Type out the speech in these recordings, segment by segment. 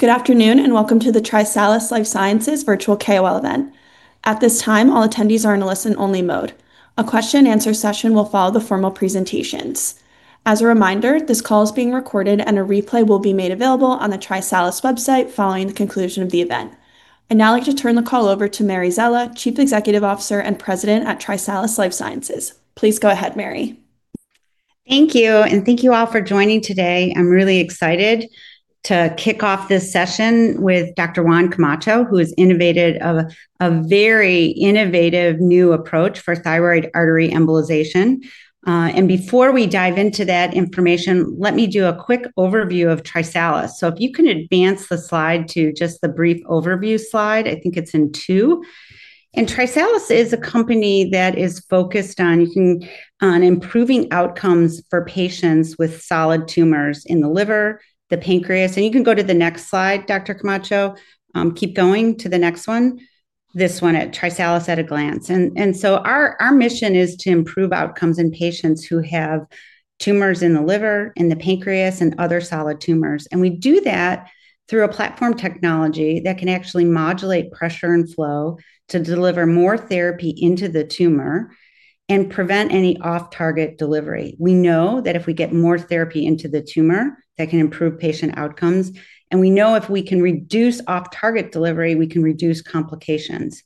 Good afternoon and welcome to the TriSalus Life Sciences virtual KOL event. At this time, all attendees are in a listen-only mode. A question-and-answer session will follow the formal presentations. As a reminder, this call is being recorded and a replay will be made available on the TriSalus website following the conclusion of the event. I'd now like to turn the call over to Mary Szela, Chief Executive Officer and President at TriSalus Life Sciences. Please go ahead, Mary. Thank you, and thank you all for joining today. I'm really excited to kick off this session with Dr. Juan Camacho, who has innovated a very innovative new approach for thyroid artery embolization. And before we dive into that information, let me do a quick overview of TriSalus. So if you can advance the slide to just the brief overview slide, I think it's in two. And TriSalus is a company that is focused on improving outcomes for patients with solid tumors in the liver, the pancreas. And you can go to the next slide, Dr. Camacho. Keep going to the next one. This one at TriSalus at a glance. And so our mission is to improve outcomes in patients who have tumors in the liver, in the pancreas, and other solid tumors. And we do that through a platform technology that can actually modulate pressure and flow to deliver more therapy into the tumor and prevent any off-target delivery. We know that if we get more therapy into the tumor, that can improve patient outcomes. And we know if we can reduce off-target delivery, we can reduce complications.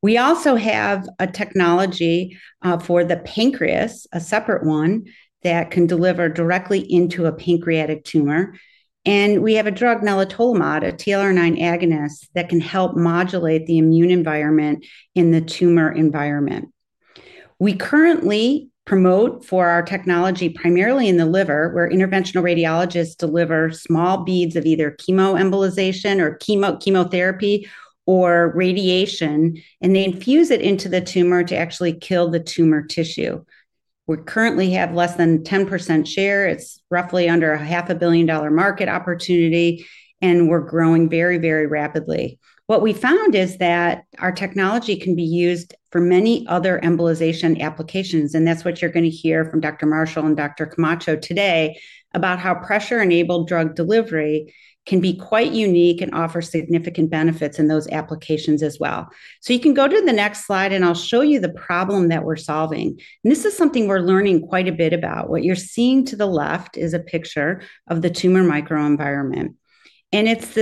We also have a technology for the pancreas, a separate one that can deliver directly into a pancreatic tumor. And we have a drug, nelitolimod, a TLR9 agonist that can help modulate the immune environment in the tumor environment. We currently promote for our technology primarily in the liver, where interventional radiologists deliver small beads of either chemoembolization or chemotherapy or radiation, and they infuse it into the tumor to actually kill the tumor tissue. We currently have less than 10% share. It's roughly under a $500 million market opportunity, and we're growing very, very rapidly. What we found is that our technology can be used for many other embolization applications, and that's what you're going to hear from Dr. Marshall and Dr. Camacho today about how pressure-enabled drug delivery can be quite unique and offer significant benefits in those applications as well. So you can go to the next slide, and I'll show you the problem that we're solving. This is something we're learning quite a bit about. What you're seeing to the left is a picture of the tumor microenvironment. It's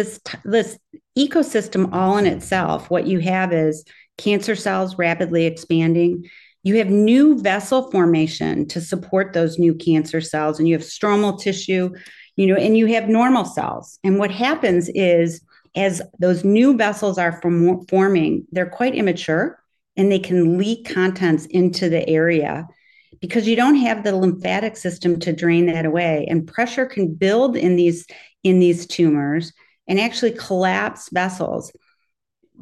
this ecosystem all in itself. What you have is cancer cells rapidly expanding. You have new vessel formation to support those new cancer cells, and you have stromal tissue, and you have normal cells. And what happens is, as those new vessels are forming, they're quite immature, and they can leak contents into the area because you don't have the lymphatic system to drain that away. And pressure can build in these tumors and actually collapse vessels.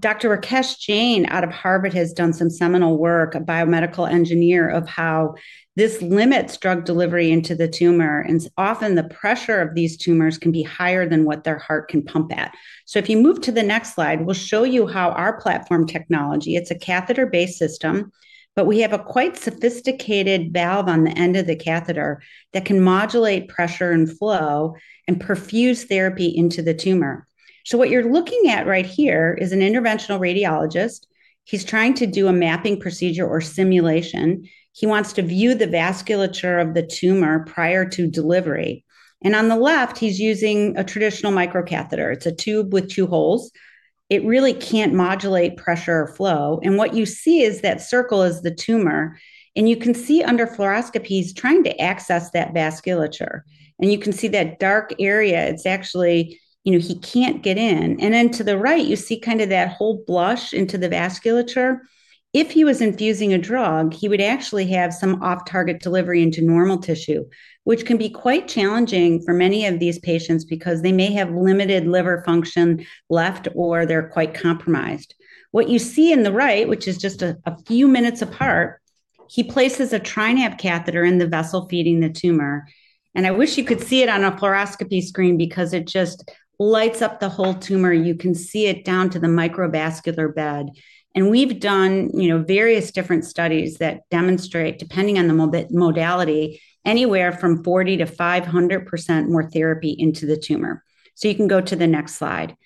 Dr. Rakesh Jain, out of Harvard, has done some seminal work, a biomedical engineer, of how this limits drug delivery into the tumor. And often the pressure of these tumors can be higher than what their heart can pump at. So if you move to the next slide, we'll show you how our platform technology, it's a catheter-based system, but we have a quite sophisticated valve on the end of the catheter that can modulate pressure and flow and perfuse therapy into the tumor. So what you're looking at right here is an interventional radiologist. He's trying to do a mapping procedure or simulation. He wants to view the vasculature of the tumor prior to delivery. On the left, he's using a traditional microcatheter. It's a tube with two holes. It really can't modulate pressure or flow. What you see is that circle is the tumor, and you can see under fluoroscopy, he's trying to access that vasculature. You can see that dark area. It's actually, he can't get in. Then to the right, you see kind of that whole blush into the vasculature. If he was infusing a drug, he would actually have some off-target delivery into normal tissue, which can be quite challenging for many of these patients because they may have limited liver function left or they're quite compromised. What you see on the right, which is just a few minutes apart, he places a TriNav catheter in the vessel feeding the tumor. I wish you could see it on a fluoroscopy screen because it just lights up the whole tumor. You can see it down to the microvascular bed. And we've done various different studies that demonstrate, depending on the modality, anywhere from 40%-500% more therapy into the tumor. So you can go to the next slide.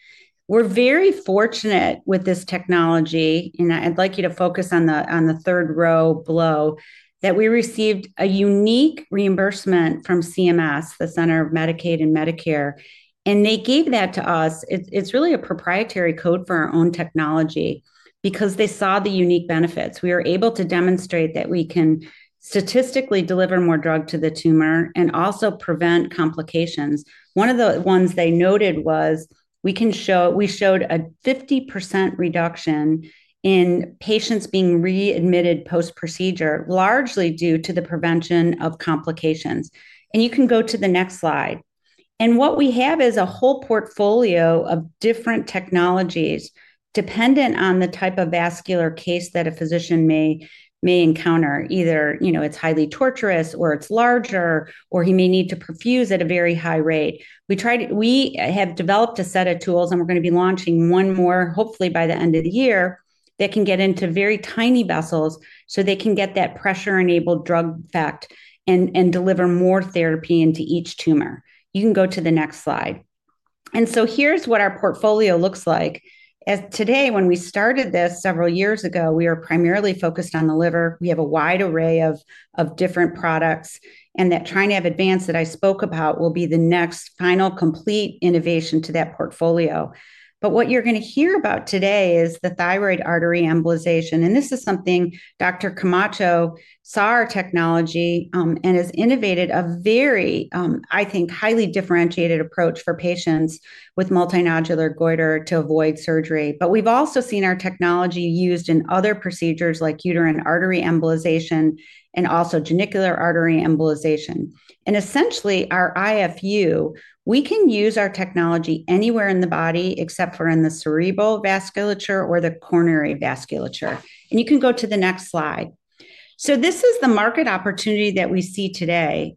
We're very fortunate with this technology, and I'd like you to focus on the third row below, that we received a unique reimbursement from CMS, the Centers for Medicare and Medicaid Services. And they gave that to us. It's really a proprietary code for our own technology because they saw the unique benefits. We are able to demonstrate that we can statistically deliver more drug to the tumor and also prevent complications. One of the ones they noted was we showed a 50% reduction in patients being readmitted post-procedure, largely due to the prevention of complications. And you can go to the next slide. And what we have is a whole portfolio of different technologies dependent on the type of vascular case that a physician may encounter. Either it's highly tortuous, or it's larger, or he may need to perfuse at a very high rate. We have developed a set of tools, and we're going to be launching one more, hopefully by the end of the year, that can get into very tiny vessels so they can get that pressure-enabled drug effect and deliver more therapy into each tumor. You can go to the next slide. And so here's what our portfolio looks like. Today, when we started this several years ago, we were primarily focused on the liver. We have a wide array of different products, and that TriNav Advance that I spoke about will be the next final complete innovation to that portfolio, but what you're going to hear about today is the thyroid artery embolization, and this is something Dr. Camacho saw our technology and has innovated a very, I think, highly differentiated approach for patients multinodular goiter to avoid surgery, but we've also seen our technology used in other procedures like uterine artery embolization and also genicular artery embolization, and essentially, our IFU, we can use our technology anywhere in the body except for in the cerebral vasculature or the coronary vasculature, and you can go to the next slide, so this is the market opportunity that we see today.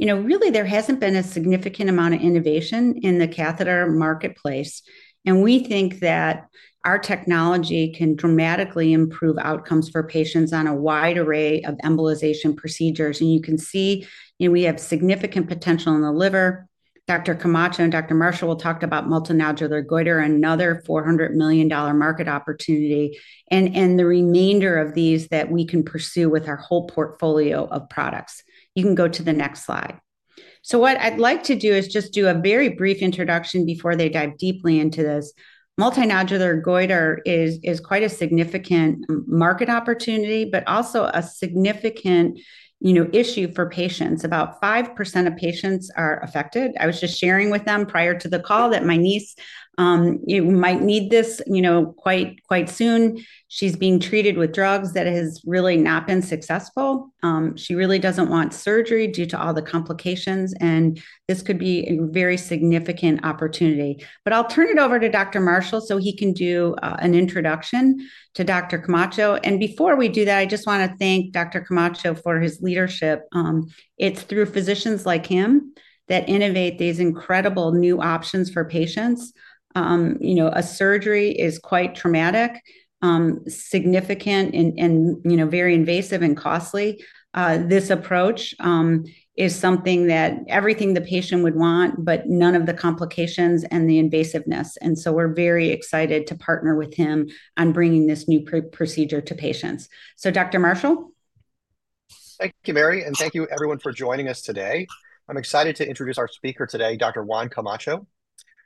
Really, there hasn't been a significant amount of innovation in the catheter marketplace, and we think that our technology can dramatically improve outcomes for patients on a wide array of embolization procedures, and you can see we have significant potential in the liver. Dr. Camacho and Dr. Marshall will talk multinodular goiter, another $400 million market opportunity, and the remainder of these that we can pursue with our whole portfolio of products. You can go to the next slide, so what I'd like to do is just do a very brief introduction before they dive deeply into this. Multinodular goiter is quite a significant market opportunity, but also a significant issue for patients. About 5% of patients are affected. I was just sharing with them prior to the call that my niece might need this quite soon. She's being treated with drugs that have really not been successful. She really doesn't want surgery due to all the complications, and this could be a very significant opportunity. But I'll turn it over to Dr. Marshall so he can do an introduction to Dr. Camacho. And before we do that, I just want to thank Dr. Camacho for his leadership. It's through physicians like him that innovate these incredible new options for patients. A surgery is quite traumatic, significant, and very invasive and costly. This approach is something that everything the patient would want, but none of the complications and the invasiveness. And so we're very excited to partner with him on bringing this new procedure to patients. So Dr. Marshall. Thank you, Mary, and thank you everyone for joining us today. I'm excited to introduce our speaker today, Dr. Juan Camacho.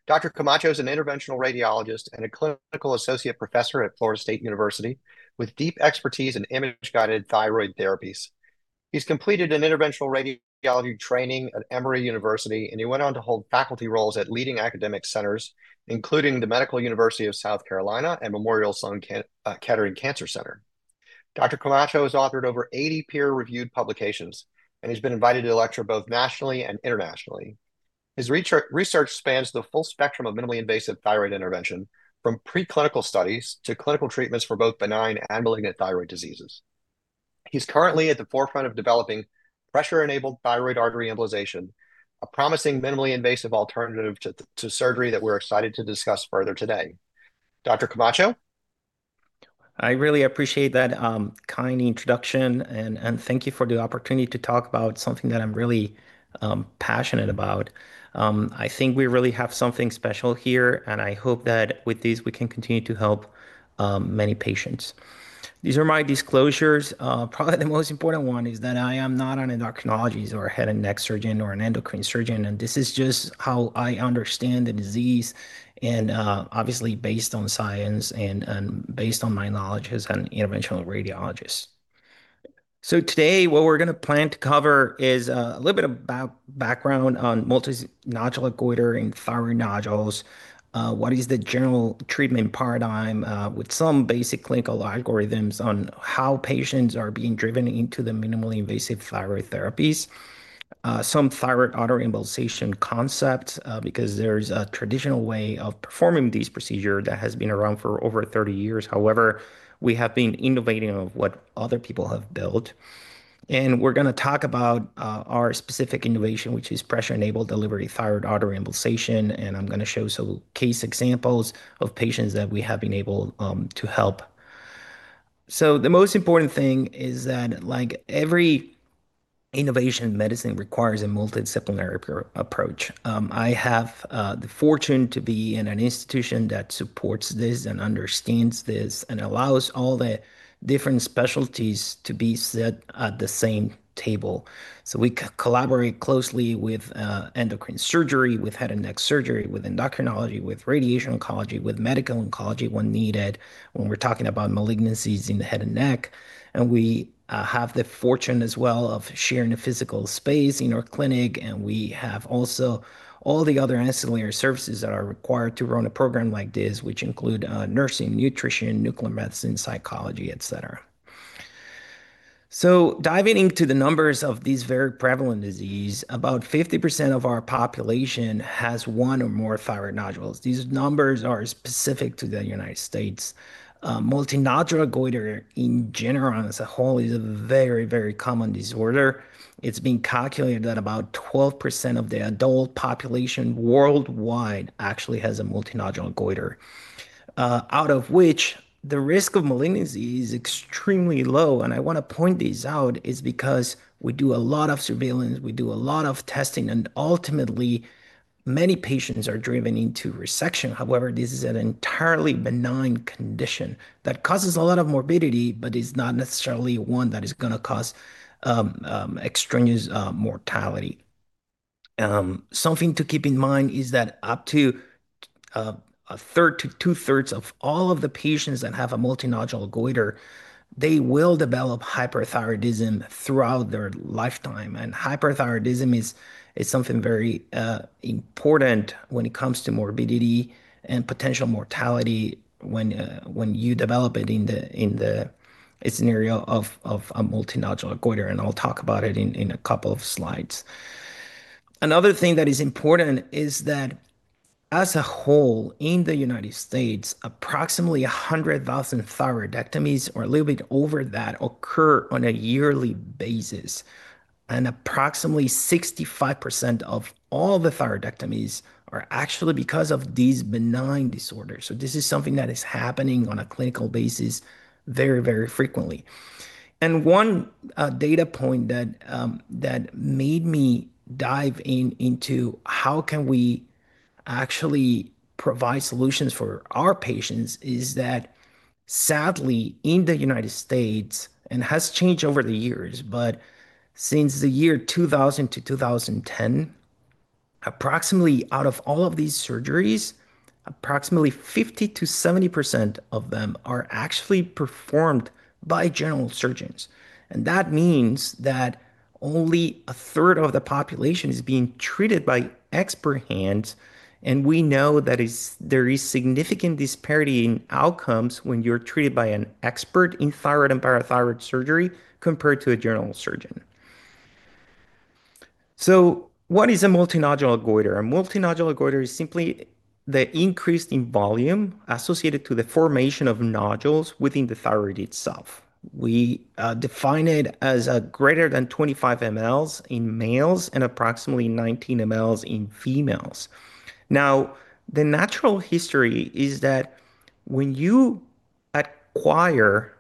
Dr. Camacho is an interventional radiologist and a clinical associate professor at Florida State University with deep expertise in image-guided thyroid therapies. He's completed an interventional radiology training at Emory University, and he went on to hold faculty roles at leading academic centers, including the Medical University of South Carolina and Memorial Sloan Kettering Cancer Center. Dr. Camacho has authored over 80 peer-reviewed publications, and he's been invited to lecture both nationally and internationally. His research spans the full spectrum of minimally invasive thyroid intervention, from preclinical studies to clinical treatments for both benign and malignant thyroid diseases. He's currently at the forefront of developing Pressure-Enabled Thyroid Artery Embolization, a promising minimally invasive alternative to surgery that we're excited to discuss further today. Dr. Camacho. I really appreciate that kind introduction, and thank you for the opportunity to talk about something that I'm really passionate about. I think we really have something special here, and I hope that with these, we can continue to help many patients. These are my disclosures. Probably the most important one is that I am not an endocrinologist or a head and neck surgeon or an endocrine surgeon, and this is just how I understand the disease, and obviously based on science and based on my knowledge as an interventional radiologist. So today, what we're going to plan to cover is a little bit of background multinodular goiter and thyroid nodules, what is the general treatment paradigm with some basic clinical algorithms on how patients are being driven into the minimally invasive thyroid therapies, some thyroid artery embolization concepts, because there's a traditional way of performing these procedures that has been around for over 30 years. However, we have been innovating on what other people have built, and we're going to talk about our specific innovation, which is pressure-enabled thyroid artery embolization, and I'm going to show some case examples of patients that we have been able to help, so the most important thing is that, like every innovation in medicine, requires a multidisciplinary approach. I have the fortune to be in an institution that supports this and understands this and allows all the different specialties to be set at the same table, so we collaborate closely with endocrine surgery, with head and neck surgery, with endocrinology, with radiation oncology, with medical oncology when needed when we're talking about malignancies in the head and neck, and we have the fortune as well of sharing a physical space in our clinic, and we have also all the other ancillary services that are required to run a program like this, which include nursing, nutrition, nuclear medicine, psychology, etc., so diving into the numbers of these very prevalent diseases, about 50% of our population has one or more thyroid nodules. These numbers are specific to the United States. Multinodular goiter in general as a whole is a very, very common disorder. It's been calculated that about 12% of the adult population worldwide actually has multinodular goiter, out of which the risk of malignancy is extremely low. And I want to point these out is because we do a lot of surveillance, we do a lot of testing, and ultimately, many patients are driven into resection. However, this is an entirely benign condition that causes a lot of morbidity, but is not necessarily one that is going to cause extraneous mortality. Something to keep in mind is that up to a third to two-thirds of all of the patients that have multinodular goiter, they will develop hyperthyroidism throughout their lifetime. And hyperthyroidism is something very important when it comes to morbidity and potential mortality when you develop it in the scenario of multinodular goiter. And I'll talk about it in a couple of slides. Another thing that is important is that as a whole, in the United States, approximately 100,000 thyroidectomies or a little bit over that occur on a yearly basis, and approximately 65% of all the thyroidectomies are actually because of these benign disorders, so this is something that is happening on a clinical basis very, very frequently, and one data point that made me dive into how can we actually provide solutions for our patients is that sadly, in the United States, and has changed over the years, but since the year 2000-2010, approximately out of all of these surgeries, approximately 50%-70% of them are actually performed by general surgeons. And that means that only a third of the population is being treated by expert hands. We know that there is significant disparity in outcomes when you're treated by an expert in thyroid and parathyroid surgery compared to a general surgeon. What is a multinodular goiter? A multinodular goiter is simply the increase in volume associated with the formation of nodules within the thyroid itself. We define it as greater than 25 mL in males and approximately 19 mL in females. Now, the natural history is that when you acquire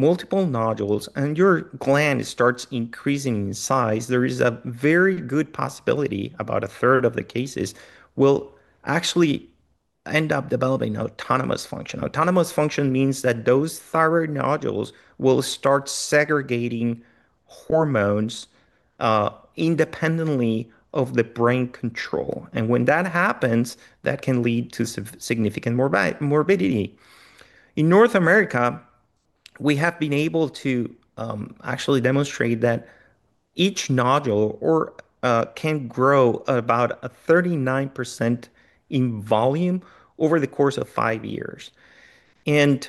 multiple nodules and your gland starts increasing in size, there is a very good possibility about a third of the cases will actually end up developing autonomous function. Autonomous function means that those thyroid nodules will start secreting hormones independently of the brain control. When that happens, that can lead to significant morbidity. In North America, we have been able to actually demonstrate that each nodule can grow about 39% in volume over the course of five years. And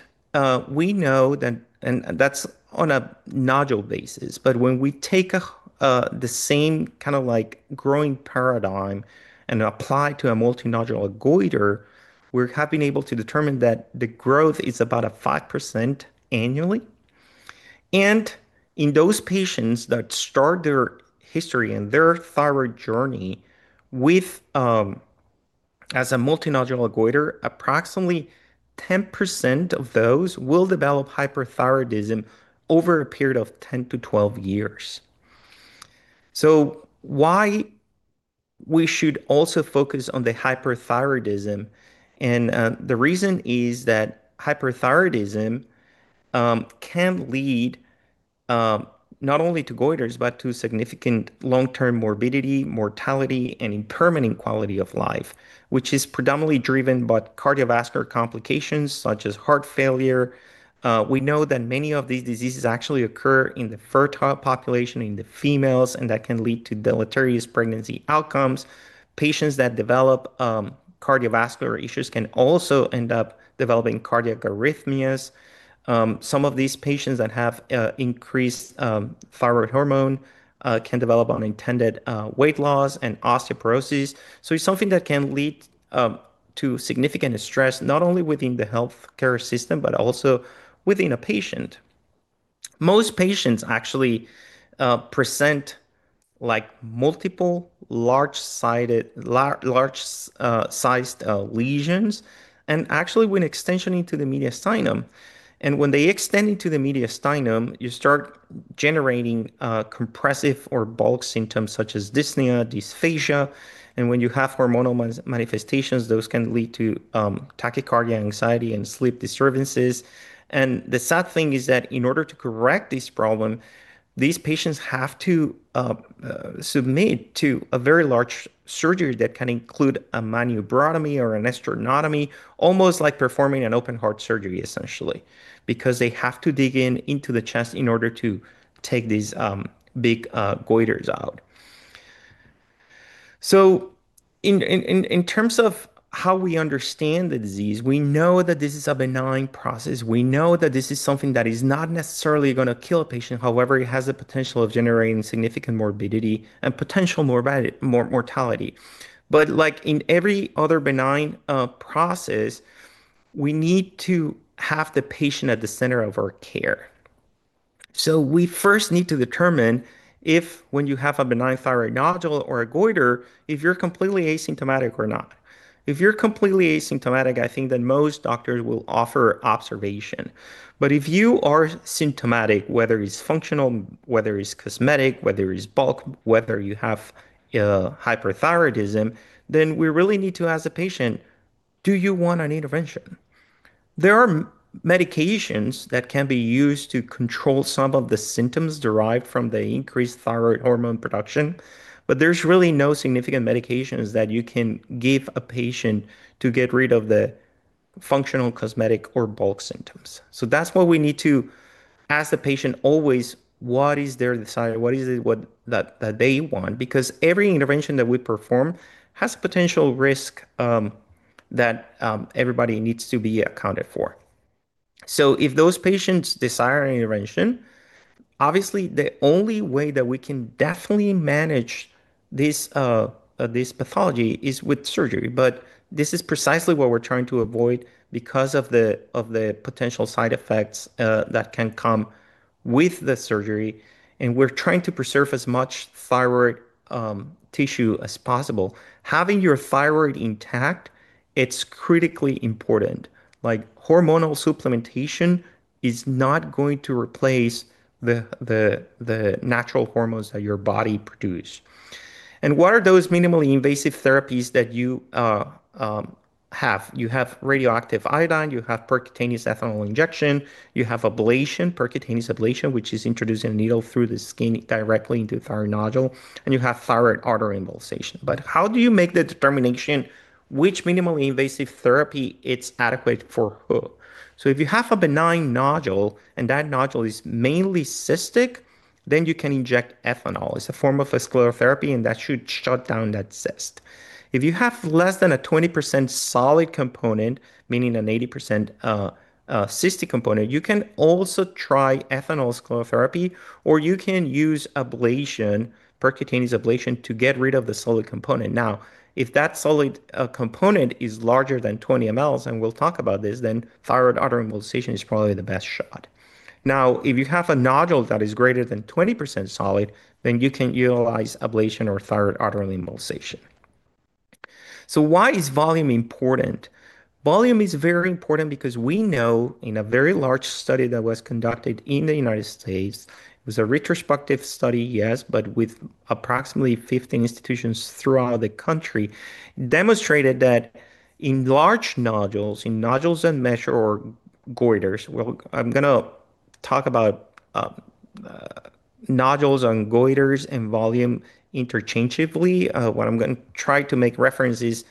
we know that, and that's on a nodule basis, but when we take the same kind of growing paradigm and apply it to multinodular goiter, we have been able to determine that the growth is about 5% annually. And in those patients that start their history and their thyroid journey as multinodular goiter, approximately 10% of those will develop hyperthyroidism over a period of 10-12 years. So why we should also focus on the hyperthyroidism, and the reason is that hyperthyroidism can lead not only to goiters, but to significant long-term morbidity, mortality, and impaired quality of life, which is predominantly driven by cardiovascular complications such as heart failure. We know that many of these diseases actually occur in the fertile population in the females, and that can lead to deleterious pregnancy outcomes. Patients that develop cardiovascular issues can also end up developing cardiac arrhythmias. Some of these patients that have increased thyroid hormone can develop unintended weight loss and osteoporosis. So it's something that can lead to significant stress, not only within the healthcare system, but also within a patient. Most patients actually present multiple large-sized lesions, and actually with an extension into the mediastinum. And when they extend into the mediastinum, you start generating compressive or bulk symptoms such as dyspnea, dysphagia. And when you have hormonal manifestations, those can lead to tachycardia, anxiety, and sleep disturbances. And the sad thing is that in order to correct this problem, these patients have to submit to a very large surgery that can include a manubriotomy or a sternotomy, almost like performing an open heart surgery, essentially, because they have to dig in into the chest in order to take these big goiters out. So in terms of how we understand the disease, we know that this is a benign process. We know that this is something that is not necessarily going to kill a patient. However, it has the potential of generating significant morbidity and potential mortality. But like in every other benign process, we need to have the patient at the center of our care. So we first need to determine if, when you have a benign thyroid nodule or a goiter, if you're completely asymptomatic or not. If you're completely asymptomatic, I think that most doctors will offer observation, but if you are symptomatic, whether it's functional, whether it's cosmetic, whether it's bulk, whether you have hyperthyroidism, then we really need to ask the patient, do you want an intervention? There are medications that can be used to control some of the symptoms derived from the increased thyroid hormone production, but there's really no significant medications that you can give a patient to get rid of the functional, cosmetic, or bulk symptoms, so that's why we need to ask the patient always, what is their desire? What is it that they want? Because every intervention that we perform has potential risk that everybody needs to be accounted for, so if those patients desire an intervention, obviously, the only way that we can definitely manage this pathology is with surgery. But this is precisely what we're trying to avoid because of the potential side effects that can come with the surgery. And we're trying to preserve as much thyroid tissue as possible. Having your thyroid intact, it's critically important. Hormonal supplementation is not going to replace the natural hormones that your body produces. And what are those minimally invasive therapies that you have? You have radioactive iodine, you have percutaneous ethanol injection, you have ablation, percutaneous ablation, which is introducing a needle through the skin directly into the thyroid nodule, and you have thyroid artery embolization. But how do you make the determination which minimally invasive therapy is adequate for who? So if you have a benign nodule and that nodule is mainly cystic, then you can inject ethanol. It's a form of vascular therapy, and that should shut down that cyst. If you have less than a 20% solid component, meaning an 80% cystic component, you can also try ethanol sclerotherapy, or you can use ablation, percutaneous ablation, to get rid of the solid component. Now, if that solid component is larger than 20 mL, and we'll talk about this, then thyroid artery embolization is probably the best shot. Now, if you have a nodule that is greater than 20% solid, then you can utilize ablation or thyroid artery embolization. So why is volume important? Volume is very important because we know in a very large study that was conducted in the United States, it was a retrospective study, yes, but with approximately 15 institutions throughout the country, demonstrated that in large nodules, in nodules that measure or goiters, well, I'm going to talk about nodules and goiters and volume interchangeably. What I'm going to try to make reference is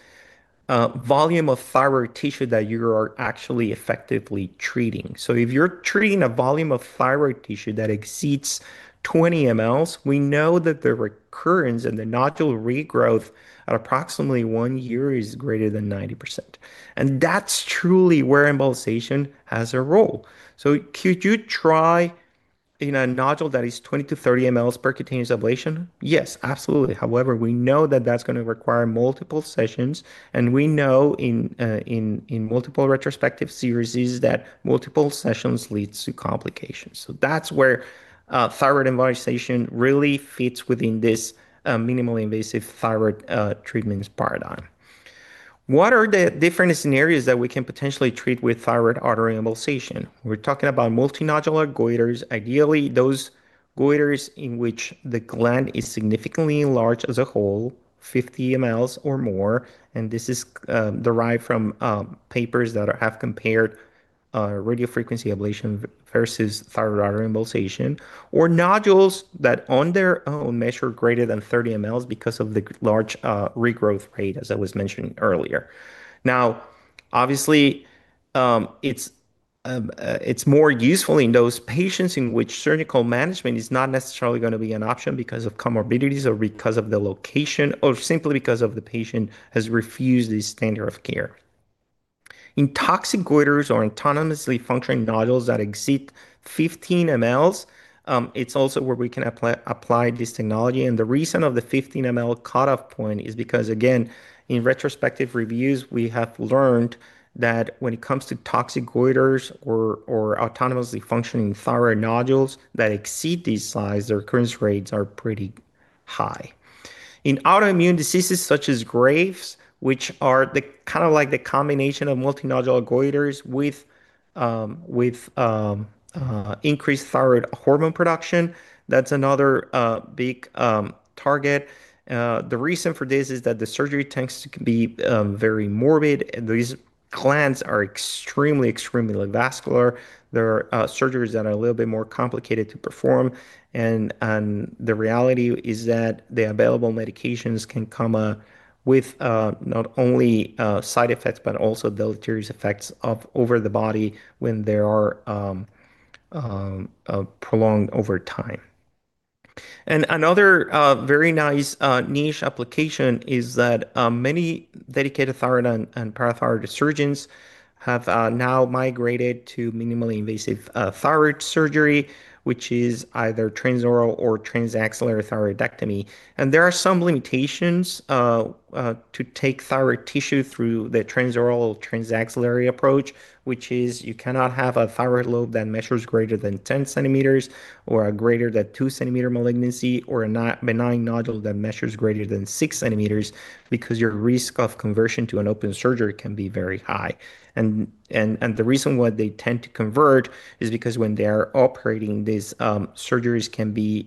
volume of thyroid tissue that you are actually effectively treating. So if you're treating a volume of thyroid tissue that exceeds 20 mL, we know that the recurrence and the nodule regrowth at approximately one year is greater than 90%. And that's truly where embolization has a role. So could you try in a nodule that is 20-30 mL percutaneous ablation? Yes, absolutely. However, we know that that's going to require multiple sessions. And we know in multiple retrospective series that multiple sessions lead to complications. So that's where thyroid embolization really fits within this minimally invasive thyroid treatment paradigm. What are the different scenarios that we can potentially treat with thyroid artery embolization? We're talking multinodular goiters, ideally those goiters in which the gland is significantly enlarged as a whole, 50 mL or more. This is derived from papers that have compared radiofrequency ablation versus thyroid artery embolization, or nodules that on their own measure greater than 30 mL because of the large regrowth rate, as I was mentioning earlier. Now, obviously, it's more useful in those patients in which surgical management is not necessarily going to be an option because of comorbidities or because of the location or simply because the patient has refused this standard of care. In toxic goiters or autonomously functioning nodules that exceed 15 mL, it's also where we can apply this technology. The reason of the 15 mL cutoff point is because, again, in retrospective reviews, we have learned that when it comes to toxic goiters or autonomously functioning thyroid nodules that exceed these sizes, their recurrence rates are pretty high. In autoimmune diseases such as Graves, which are kind of like the combination multinodular goiters with increased thyroid hormone production, that's another big target. The reason for this is that the surgery tends to be very morbid. These glands are extremely, extremely vascular. There are surgeries that are a little bit more complicated to perform. The reality is that the available medications can come with not only side effects, but also deleterious effects over the body when they are prolonged over time. Another very nice niche application is that many dedicated thyroid and parathyroid surgeons have now migrated to minimally invasive thyroid surgery, which is either transoral or transaxillary thyroidectomy. There are some limitations to take thyroid tissue through the transoral or transaxillary approach, which is you cannot have a thyroid lobe that measures greater than 10 cm or a greater than 2-cm malignancy or a benign nodule that measures greater than 6 cm because your risk of conversion to an open surgery can be very high. The reason why they tend to convert is because when they are operating, these surgeries can be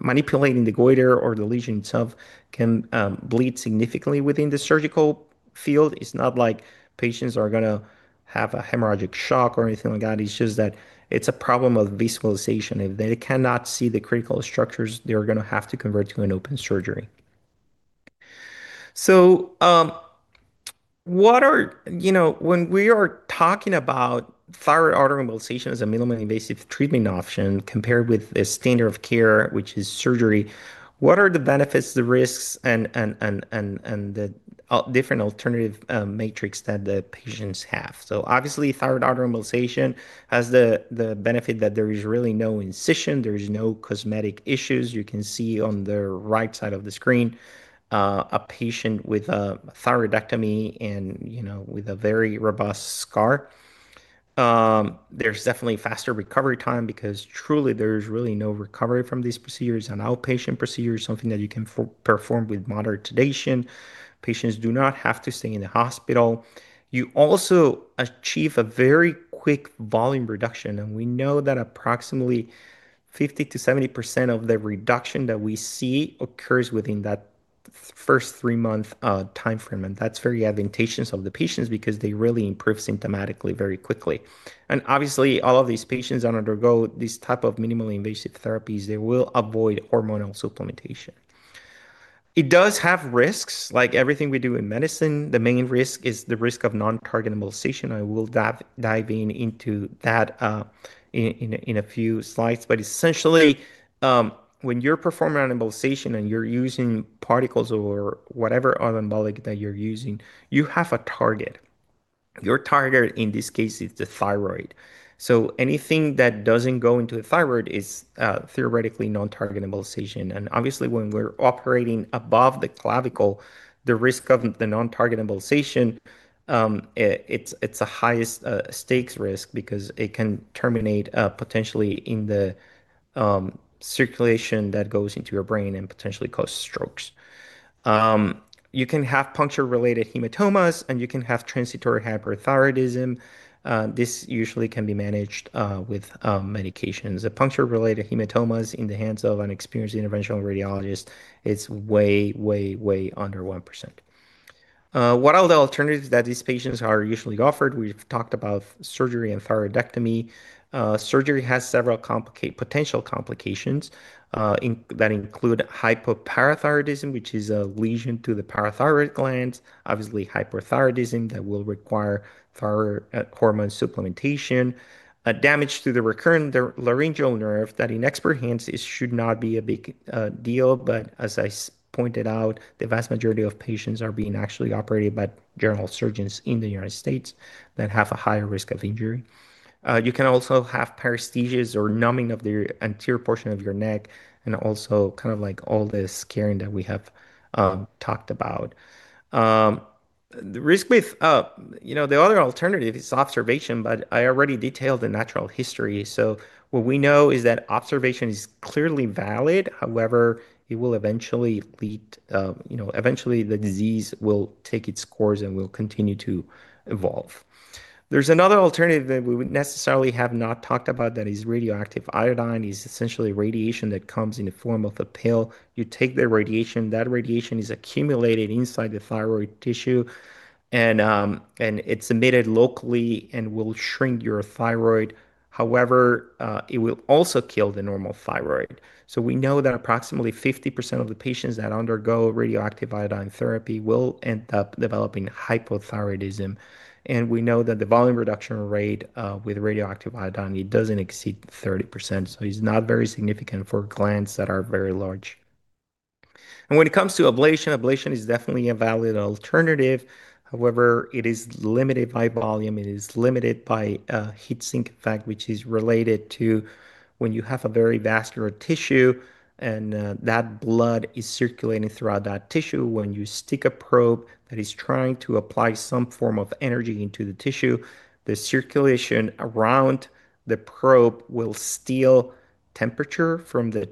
manipulating the goiter or the lesion itself can bleed significantly within the surgical field. It's not like patients are going to have a hemorrhagic shock or anything like that. It's just that it's a problem of visualization. If they cannot see the critical structures, they're going to have to convert to an open surgery. So when we are talking about thyroid artery embolization as a minimally invasive treatment option compared with the standard of care, which is surgery, what are the benefits, the risks, and the different alternative matrix that the patients have? So obviously, thyroid artery embolization has the benefit that there is really no incision. There is no cosmetic issues. You can see on the right side of the screen a patient with a thyroidectomy and with a very robust scar. There's definitely faster recovery time because truly, there is really no recovery from these procedures. An outpatient procedure is something that you can perform with moderate sedation. Patients do not have to stay in the hospital. You also achieve a very quick volume reduction. And we know that approximately 50%-70% of the reduction that we see occurs within that first three-month timeframe. That's very advantageous to the patients because they really improve symptomatically very quickly. And obviously, all of these patients that undergo this type of minimally invasive therapies, they will avoid hormonal supplementation. It does have risks. Like everything we do in medicine, the main risk is the risk of non-target embolization. I will dive into that in a few slides. But essentially, when you're performing an embolization and you're using particles or whatever other embolic that you're using, you have a target. Your target in this case is the thyroid. So anything that doesn't go into the thyroid is theoretically non-target embolization. And obviously, when we're operating above the clavicle, the risk of the non-target embolization, it's the highest stakes risk because it can terminate potentially in the circulation that goes into your brain and potentially cause strokes. You can have puncture-related hematomas, and you can have transitory hyperthyroidism. This usually can be managed with medications. The puncture-related hematomas in the hands of an experienced interventional radiologist is way, way, way under 1%. What are the alternatives that these patients are usually offered? We've talked about surgery and thyroidectomy. Surgery has several potential complications that include hypoparathyroidism, which is a lesion to the parathyroid glands. Obviously, hyperthyroidism that will require thyroid hormone supplementation. Damage to the recurrent laryngeal nerve that in expert hands should not be a big deal. But as I pointed out, the vast majority of patients are being actually operated by general surgeons in the United States that have a higher risk of injury. You can also have paresthesias or numbing of the anterior portion of your neck and also kind of like all this scarring that we have talked about. The risk with the other alternative is observation, but I already detailed the natural history. So what we know is that observation is clearly valid. However, it will eventually lead the disease will take its course and will continue to evolve. There's another alternative that we would necessarily have not talked about that is radioactive iodine. It's essentially radiation that comes in the form of a pill. You take the radiation. That radiation is accumulated inside the thyroid tissue, and it's emitted locally and will shrink your thyroid. However, it will also kill the normal thyroid. So we know that approximately 50% of the patients that undergo radioactive iodine therapy will end up developing hypothyroidism. And we know that the volume reduction rate with radioactive iodine, it doesn't exceed 30%. So it's not very significant for glands that are very large. When it comes to ablation, ablation is definitely a valid alternative. However, it is limited by volume. It is limited by heat sink effect, which is related to when you have a very vascular tissue and that blood is circulating throughout that tissue. When you stick a probe that is trying to apply some form of energy into the tissue, the circulation around the probe will steal temperature from the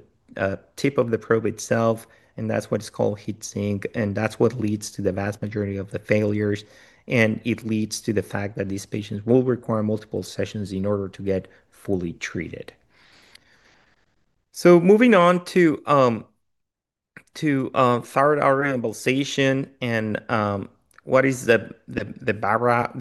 tip of the probe itself. And that's what's called heat sink. And that's what leads to the vast majority of the failures. And it leads to the fact that these patients will require multiple sessions in order to get fully treated. Moving on to thyroid artery embolization and what is the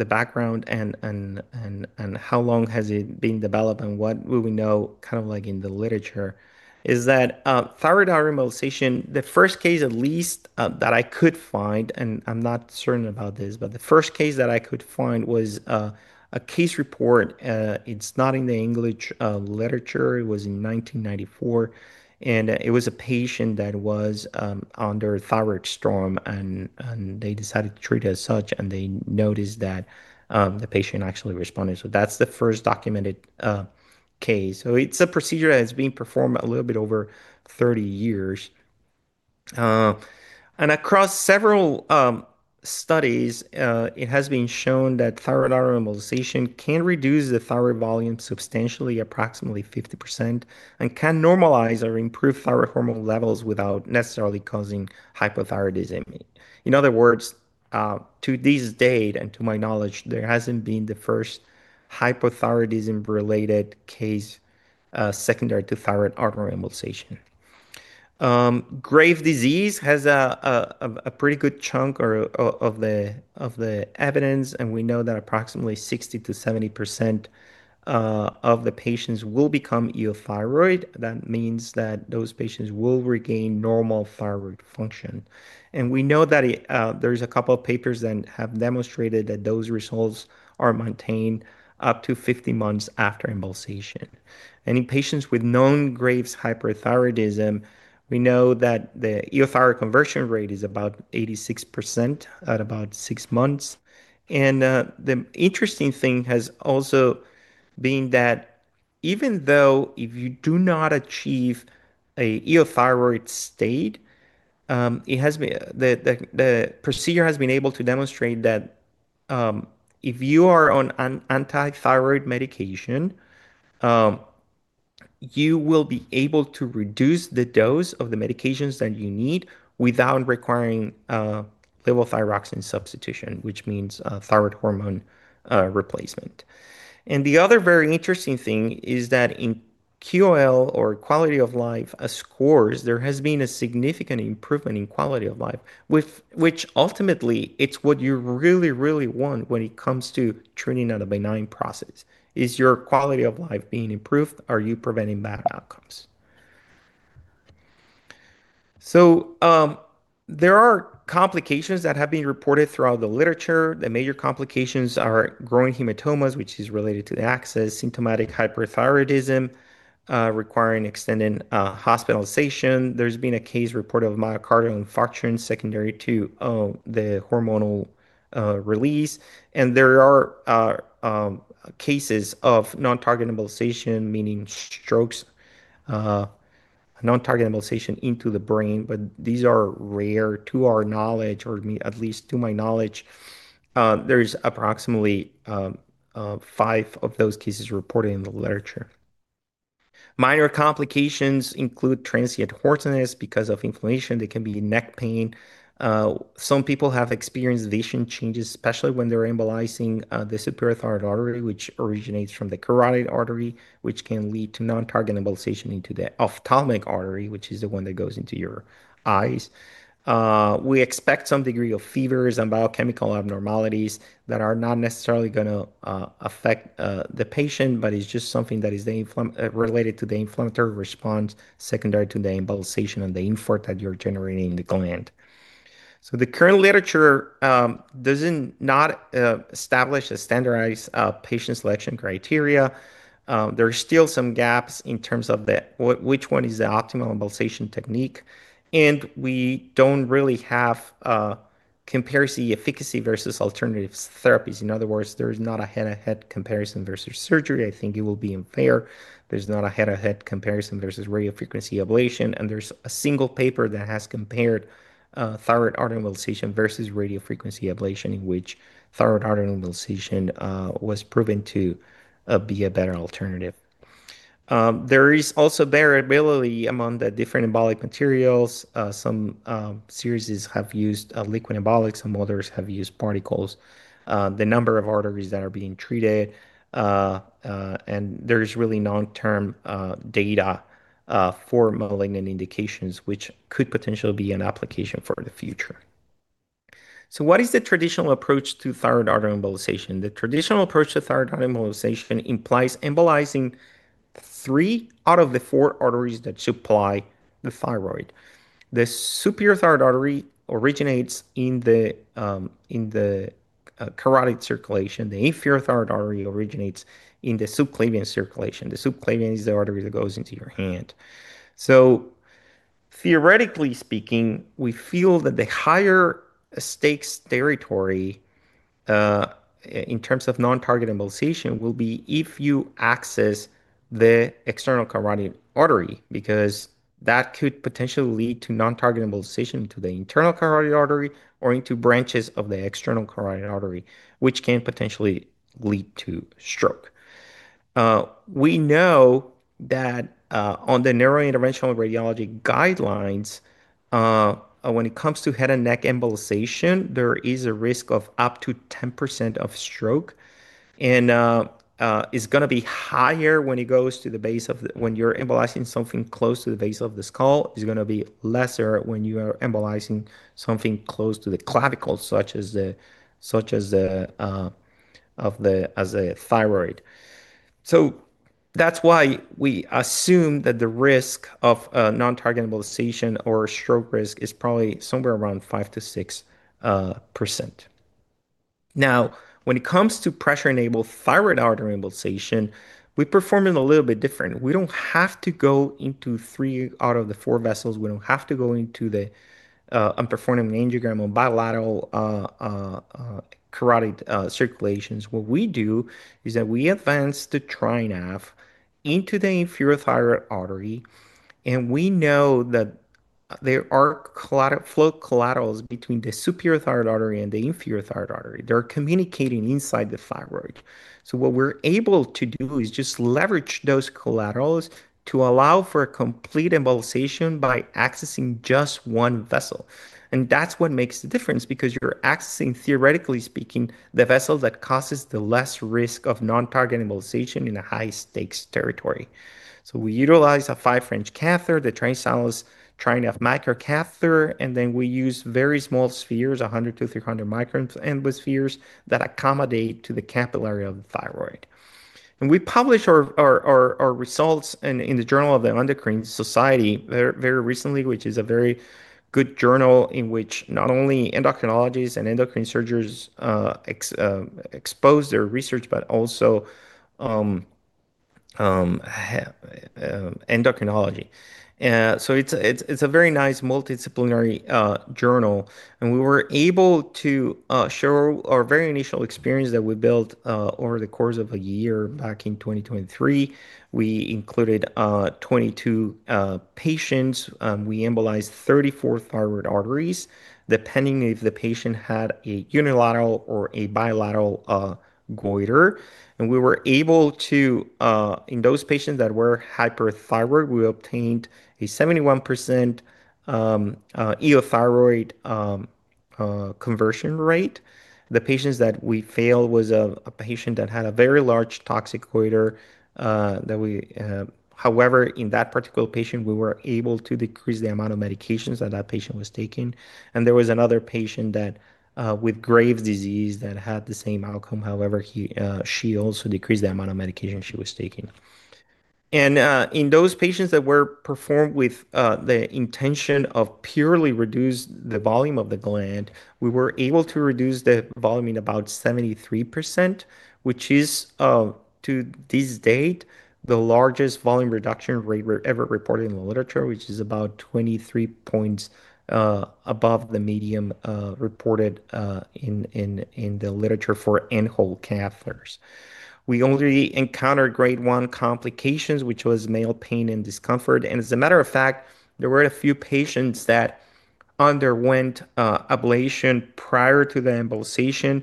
background and how long has it been developed and what we know kind of like in the literature is that thyroid artery embolization, the first case at least that I could find, and I'm not certain about this, but the first case that I could find was a case report. It's not in the English literature. It was in 1994. And it was a patient that was under thyroid storm, and they decided to treat as such, and they noticed that the patient actually responded. That's the first documented case. It's a procedure that has been performed a little bit over 30 years. And across several studies, it has been shown that thyroid artery embolization can reduce the thyroid volume substantially, approximately 50%, and can normalize or improve thyroid hormone levels without necessarily causing hypothyroidism. In other words, to this date and to my knowledge, there hasn't been the first hypothyroidism-related case secondary to thyroid artery embolization. Graves' disease has a pretty good chunk of the evidence. And we know that approximately 60%-70% of the patients will become euthyroid. That means that those patients will regain normal thyroid function. And we know that there's a couple of papers that have demonstrated that those results are maintained up to 15 months after embolization. And in patients with known Graves' hyperthyroidism, we know that the euthyroid conversion rate is about 86% at about six months. The interesting thing has also been that even though if you do not achieve a euthyroid state, the procedure has been able to demonstrate that if you are on anti-thyroid medication, you will be able to reduce the dose of the medications that you need without requiring levothyroxine substitution, which means thyroid hormone replacement. The other very interesting thing is that in QOL or quality of life scores, there has been a significant improvement in quality of life, which ultimately it's what you really, really want when it comes to treating a benign process. Is your quality of life being improved? Are you preventing bad outcomes? There are complications that have been reported throughout the literature. The major complications are growing hematomas, which is related to the access, symptomatic hyperthyroidism requiring extended hospitalization. There's been a case report of myocardial infarction secondary to the hormonal release. There are cases of non-target embolization, meaning strokes, non-target embolization into the brain. But these are rare to our knowledge or at least to my knowledge. There's approximately five of those cases reported in the literature. Minor complications include transient hoarseness because of inflammation. There can be neck pain. Some people have experienced vision changes, especially when they're embolizing the superior thyroid artery, which originates from the carotid artery, which can lead to non-target embolization into the ophthalmic artery, which is the one that goes into your eyes. We expect some degree of fevers and biochemical abnormalities that are not necessarily going to affect the patient, but it's just something that is related to the inflammatory response secondary to the embolization and the infarct that you're generating in the gland. The current literature does not establish a standardized patient selection criteria. There are still some gaps in terms of which one is the optimal embolization technique, and we don't really have comparative efficacy versus alternative therapies. In other words, there's not a head-to-head comparison versus surgery. I think it will be unfair. There's not a head-to-head comparison versus radiofrequency ablation, and there's a single paper that has compared thyroid artery embolization versus radiofrequency ablation, in which thyroid artery embolization was proven to be a better alternative. There is also variability among the different embolic materials. Some series have used liquid embolics. Some others have used particles, the number of arteries that are being treated, and there is really no long-term data for malignant indications, which could potentially be an application for the future. What is the traditional approach to thyroid artery embolization? The traditional approach to thyroid artery embolization implies embolizing three out of the four arteries that supply the thyroid. The superior thyroid artery originates in the carotid circulation. The inferior thyroid artery originates in the subclavian circulation. The subclavian is the artery that goes into your hand. So theoretically speaking, we feel that the higher stakes territory in terms of non-target embolization will be if you access the external carotid artery because that could potentially lead to non-target embolization into the internal carotid artery or into branches of the external carotid artery, which can potentially lead to stroke. We know that on the neurointerventional radiology guidelines, when it comes to head and neck embolization, there is a risk of up to 10% of stroke, and it's going to be higher when you're embolizing something close to the base of the skull. It's going to be lesser when you are embolizing something close to the clavicle, such as that of the thyroid. So that's why we assume that the risk of non-target embolization or stroke risk is probably somewhere around 5%-6%. Now, when it comes to pressure-enabled thyroid artery embolization, we perform it a little bit different. We don't have to go into three out of the four vessels. We don't have to go into the arch and perform an angiogram on bilateral carotid circulations. What we do is that we advance the TriNav into the inferior thyroid artery, and we know that there are flow collaterals between the superior thyroid artery and the inferior thyroid artery. They're communicating inside the thyroid. So what we're able to do is just leverage those collaterals to allow for a complete embolization by accessing just one vessel. And that's what makes the difference because you're accessing, theoretically speaking, the vessel that causes the less risk of non-target embolization in a high-stakes territory. So we utilize a five French catheter, the TriSalus TriNav microcatheter. And then we use very small spheres, 100- to 300-micron Embospheres that accommodate to the capillary of the thyroid. And we publish our results in the Journal of the Endocrine Society very recently, which is a very good journal in which not only endocrinologists and endocrine surgeons expose their research, but also endocrinology. So it's a very nice multidisciplinary journal. And we were able to show our very initial experience that we built over the course of a year back in 2023. We included 22 patients. We embolized 34 thyroid arteries depending if the patient had a unilateral or a bilateral goiter. We were able to, in those patients that were hyperthyroid, obtain a 71% euthyroid conversion rate. The patients that we failed was a patient that had a very large toxic goiter that we, however, in that particular patient, were able to decrease the amount of medications that that patient was taking. There was another patient with Graves' disease that had the same outcome. However, she also decreased the amount of medication she was taking. In those patients that were performed with the intention of purely reducing the volume of the gland, we were able to reduce the volume in about 73%, which is, to this date, the largest volume reduction rate ever reported in the literature, which is about 23 points above the median reported in the literature for end-hole catheters. We only encountered grade one complications, which was mild pain and discomfort. As a matter of fact, there were a few patients that underwent ablation prior to the embolization.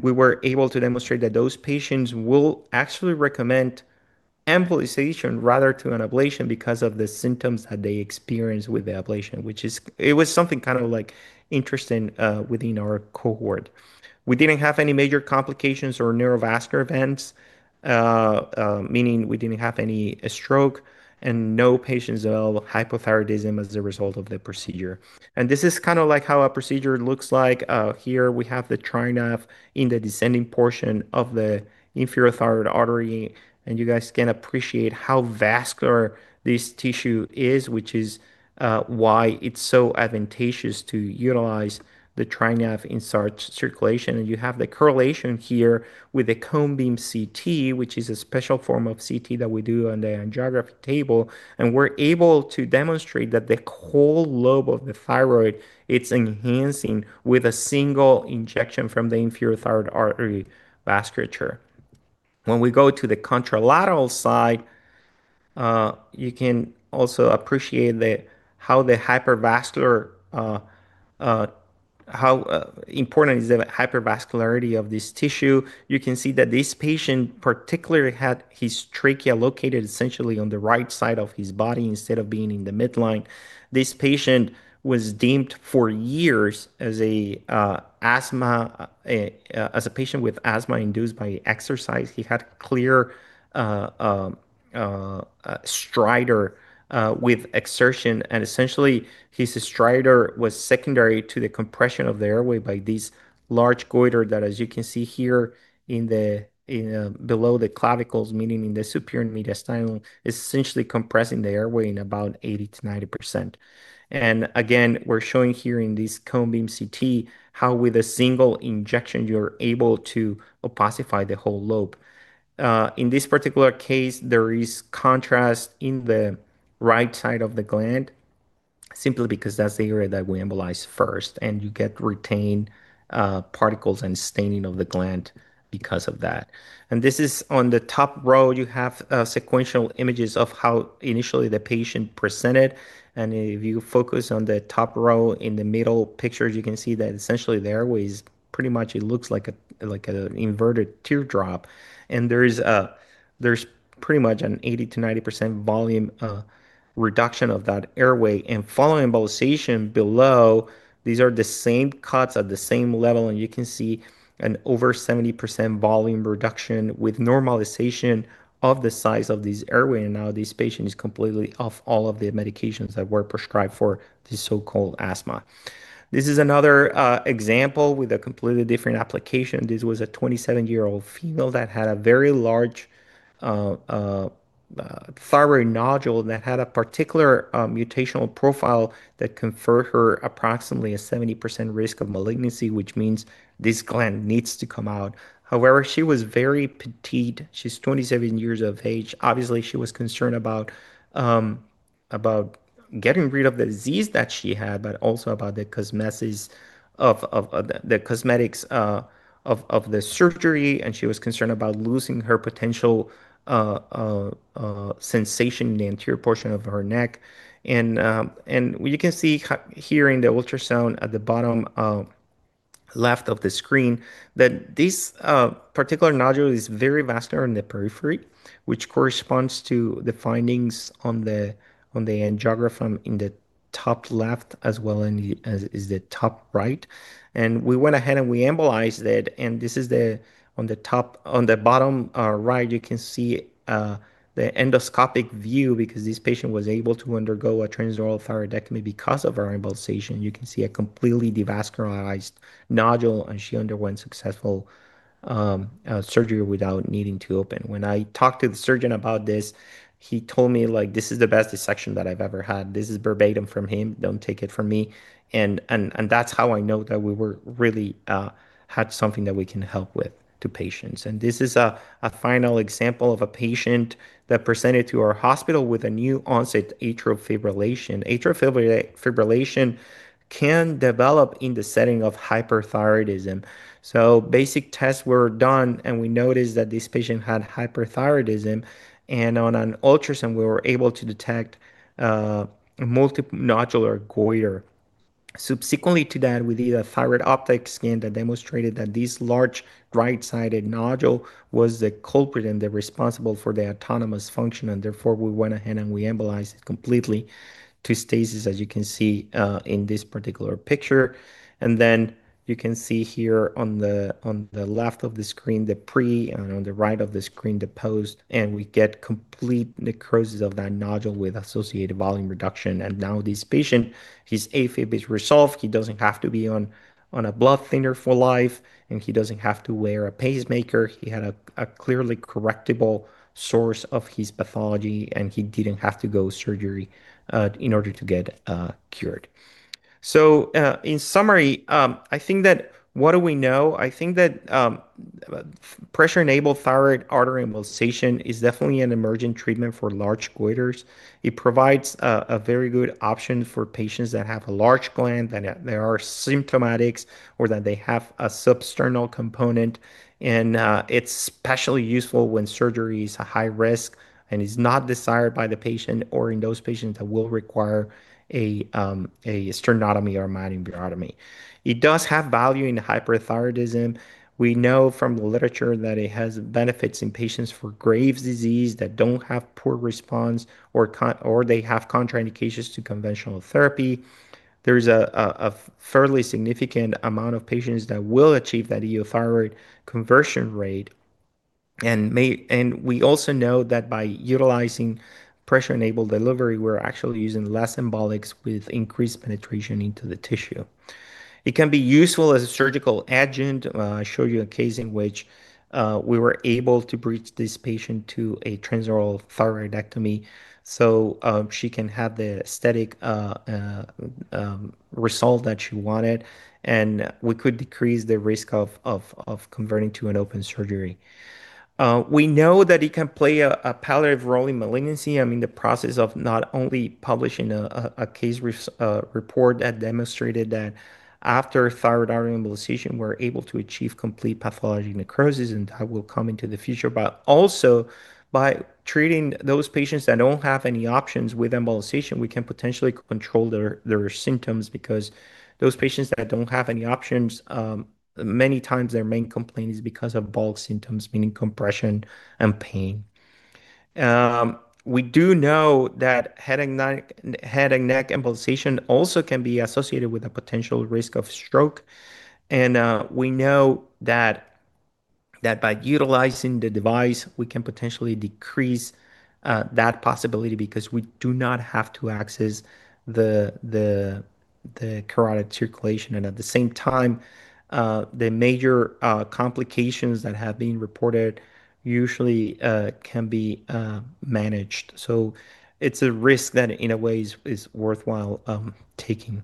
We were able to demonstrate that those patients will actually recommend embolization rather than ablation because of the symptoms that they experience with the ablation, which is it was something kind of like interesting within our cohort. We didn't have any major complications or neurovascular events, meaning we didn't have any stroke and no patients developed hypothyroidism as a result of the procedure. This is kind of like how a procedure looks like. Here we have the TriNav in the descending portion of the inferior thyroid artery. You guys can appreciate how vascular this tissue is, which is why it's so advantageous to utilize the TriNav in such circulation. You have the correlation here with the Cone Beam CT, which is a special form of CT that we do on the angiography table. We're able to demonstrate that the whole lobe of the thyroid, it's enhancing with a single injection from the inferior thyroid artery vasculature. When we go to the contralateral side, you can also appreciate how important is the hypervascularity of this tissue. You can see that this patient particularly had his trachea located essentially on the right side of his body instead of being in the midline. This patient was deemed for years as a patient with asthma induced by exercise. He had clear stridor with exertion. And essentially, his stridor was secondary to the compression of the airway by this large goiter that, as you can see here below the clavicles, meaning in the superior mediastinum, is essentially compressing the airway in about 80%-90%. And again, we're showing here in this Cone Beam CT how with a single injection, you're able to opacify the whole lobe. In this particular case, there is contrast in the right side of the gland simply because that's the area that we embolize first. And you get retained particles and staining of the gland because of that. And this is on the top row. You have sequential images of how initially the patient presented. And if you focus on the top row in the middle picture, you can see that essentially the airway is pretty much, it looks like an inverted teardrop. And there's pretty much an 80%-90% volume reduction of that airway. And following embolization below, these are the same cuts at the same level. And you can see an over 70% volume reduction with normalization of the size of this airway. And now this patient is completely off all of the medications that were prescribed for the so-called asthma. This is another example with a completely different application. This was a 27-year-old female that had a very large thyroid nodule that had a particular mutational profile that conferred her approximately a 70% risk of malignancy, which means this gland needs to come out. However, she was very petite. She's 27 years of age. Obviously, she was concerned about getting rid of the disease that she had, but also about the cosmetics of the surgery. And she was concerned about losing her potential sensation in the anterior portion of her neck. And you can see here in the ultrasound at the bottom left of the screen that this particular nodule is very vascular in the periphery, which corresponds to the findings on the angiogram in the top left as well as the top right. And we went ahead and we embolized it. And this is the one on the bottom right. You can see the endoscopic view because this patient was able to undergo a transoral thyroidectomy because of her embolization. You can see a completely devascularized nodule. And she underwent successful surgery without needing to open. When I talked to the surgeon about this, he told me, like, "This is the best dissection that I've ever had." This is verbatim from him. Don't take it from me," and that's how I know that we really had something that we can help with to patients, and this is a final example of a patient that presented to our hospital with a new onset atrial fibrillation. Atrial fibrillation can develop in the setting of hyperthyroidism, so basic tests were done, and we noticed that this patient had hyperthyroidism, and on an ultrasound, we were able to detect multinodular goiter. Subsequently to that, we did a thyroid uptake scan that demonstrated that this large right-sided nodule was the culprit and the responsible for the autonomous function, and therefore, we went ahead and we embolized it completely to stasis, as you can see in this particular picture, and then you can see here on the left of the screen the pre and on the right of the screen the post. We get complete necrosis of that nodule with associated volume reduction. Now this patient, his atrial fibrillation is resolved. He doesn't have to be on a blood thinner for life. He doesn't have to wear a pacemaker. He had a clearly correctable source of his pathology. He didn't have to go surgery in order to get cured. In summary, I think that what do we know? I think that pressure-enabled thyroid artery embolization is definitely an emergent treatment for large goiters. It provides a very good option for patients that have a large gland, that there are symptomatics, or that they have a substernal component. It's especially useful when surgery is a high risk and is not desired by the patient or in those patients that will require a sternotomy or thyroidectomy. It does have value in hyperthyroidism. We know from the literature that it has benefits in patients for Graves' disease that don't have poor response or they have contraindications to conventional therapy. There's a fairly significant amount of patients that will achieve that euthyroid conversion rate. And we also know that by utilizing pressure-enabled delivery, we're actually using less embolics with increased penetration into the tissue. It can be useful as a surgical adjunct. I showed you a case in which we were able to bridge this patient to a transaxillary thyroidectomy so she can have the aesthetic result that she wanted. And we could decrease the risk of converting to an open surgery. We know that it can play a palliative role in malignancy. I'm in the process of not only publishing a case report that demonstrated that after thyroid artery embolization, we're able to achieve complete pathologic necrosis. That will come into the future. But also by treating those patients that don't have any options with embolization, we can potentially control their symptoms because those patients that don't have any options, many times their main complaint is because of bulk symptoms, meaning compression and pain. We do know that head and neck embolization also can be associated with a potential risk of stroke. And we know that by utilizing the device, we can potentially decrease that possibility because we do not have to access the carotid circulation. And at the same time, the major complications that have been reported usually can be managed. So it's a risk that in a way is worthwhile taking.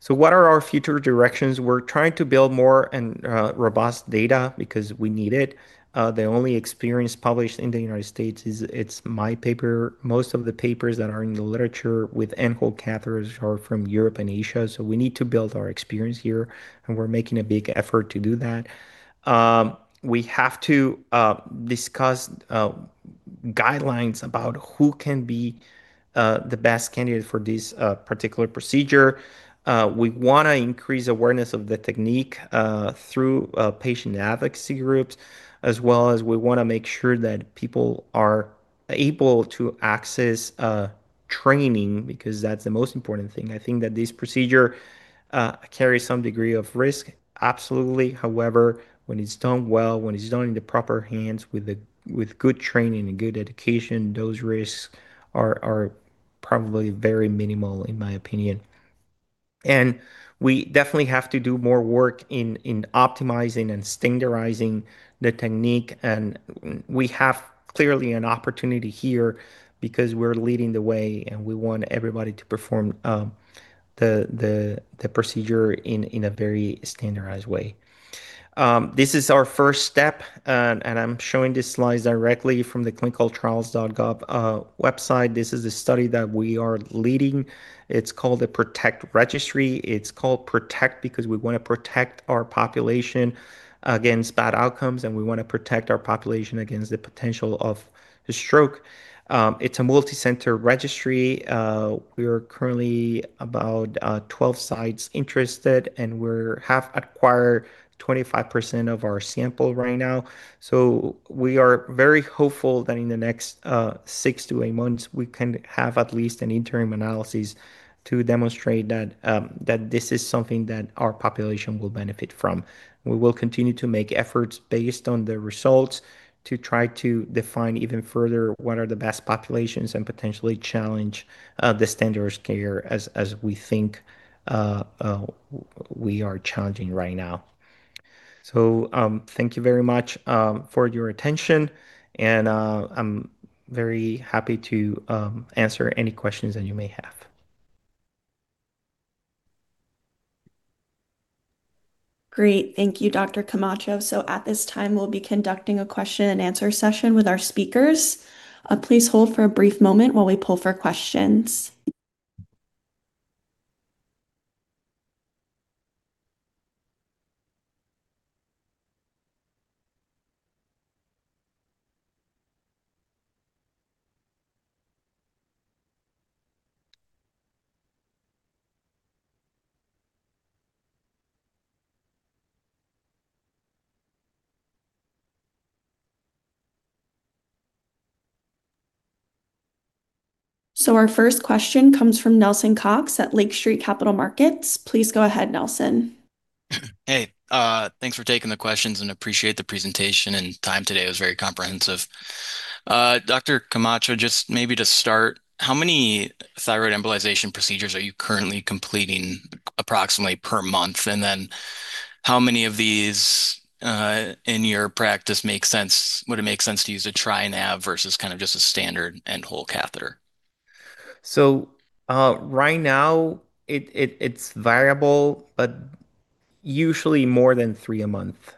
So what are our future directions? We're trying to build more and robust data because we need it. The only experience published in the United States is. It's my paper. Most of the papers that are in the literature with end-hole catheters are from Europe and Asia, so we need to build our experience here, and we're making a big effort to do that. We have to discuss guidelines about who can be the best candidate for this particular procedure. We want to increase awareness of the technique through patient advocacy groups, as well as we want to make sure that people are able to access training because that's the most important thing. I think that this procedure carries some degree of risk, absolutely. However, when it's done well, when it's done in the proper hands with good training and good education, those risks are probably very minimal, in my opinion, and we definitely have to do more work in optimizing and standardizing the technique, and we clearly have an opportunity here because we're leading the way. We want everybody to perform the procedure in a very standardized way. This is our first step. I'm showing this slide directly from the ClinicalTrials.gov website. This is a study that we are leading. It's called the PROTECT Registry. It's called PROTECT because we want to protect our population against bad outcomes. We want to protect our population against the potential of stroke. It's a multi-center registry. We are currently about 12 sites interested. We have acquired 25% of our sample right now. So we are very hopeful that in the next six to eight months, we can have at least an interim analysis to demonstrate that this is something that our population will benefit from. We will continue to make efforts based on the results to try to define even further what are the best populations and potentially challenge the standards here as we think we are challenging right now. So thank you very much for your attention. And I'm very happy to answer any questions that you may have. Great. Thank you, Dr. Camacho. So at this time, we'll be conducting a question-and-answer session with our speakers. Please hold for a brief moment while we poll for questions. So our first question comes from Nelson Cox at Lake Street Capital Markets. Please go ahead, Nelson. Hey, thanks for taking the questions, and I appreciate the presentation and time today. It was very comprehensive. Dr. Camacho, just maybe to start, how many thyroid embolization procedures are you currently completing approximately per month? And then how many of these in your practice make sense? Would it make sense to use a TriNav versus kind of just a standard end-hole catheter? So, right now, it's variable, but usually more than three a month.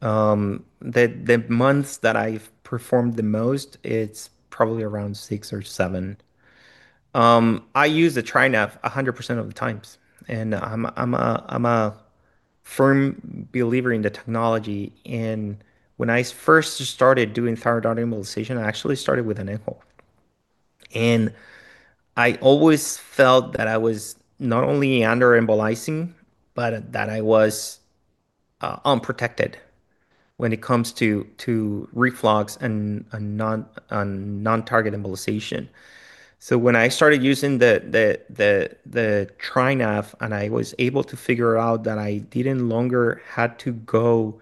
The months that I've performed the most, it's probably around six or seven. I use a TriNav 100% of the times. And I'm a firm believer in the technology. And when I first started doing thyroid artery embolization, I actually started with an end-hole. And I always felt that I was not only under-embolizing, but that I was unprotected when it comes to reflux and non-target embolization. So when I started using the TriNav, and I was able to figure out that I no longer had to go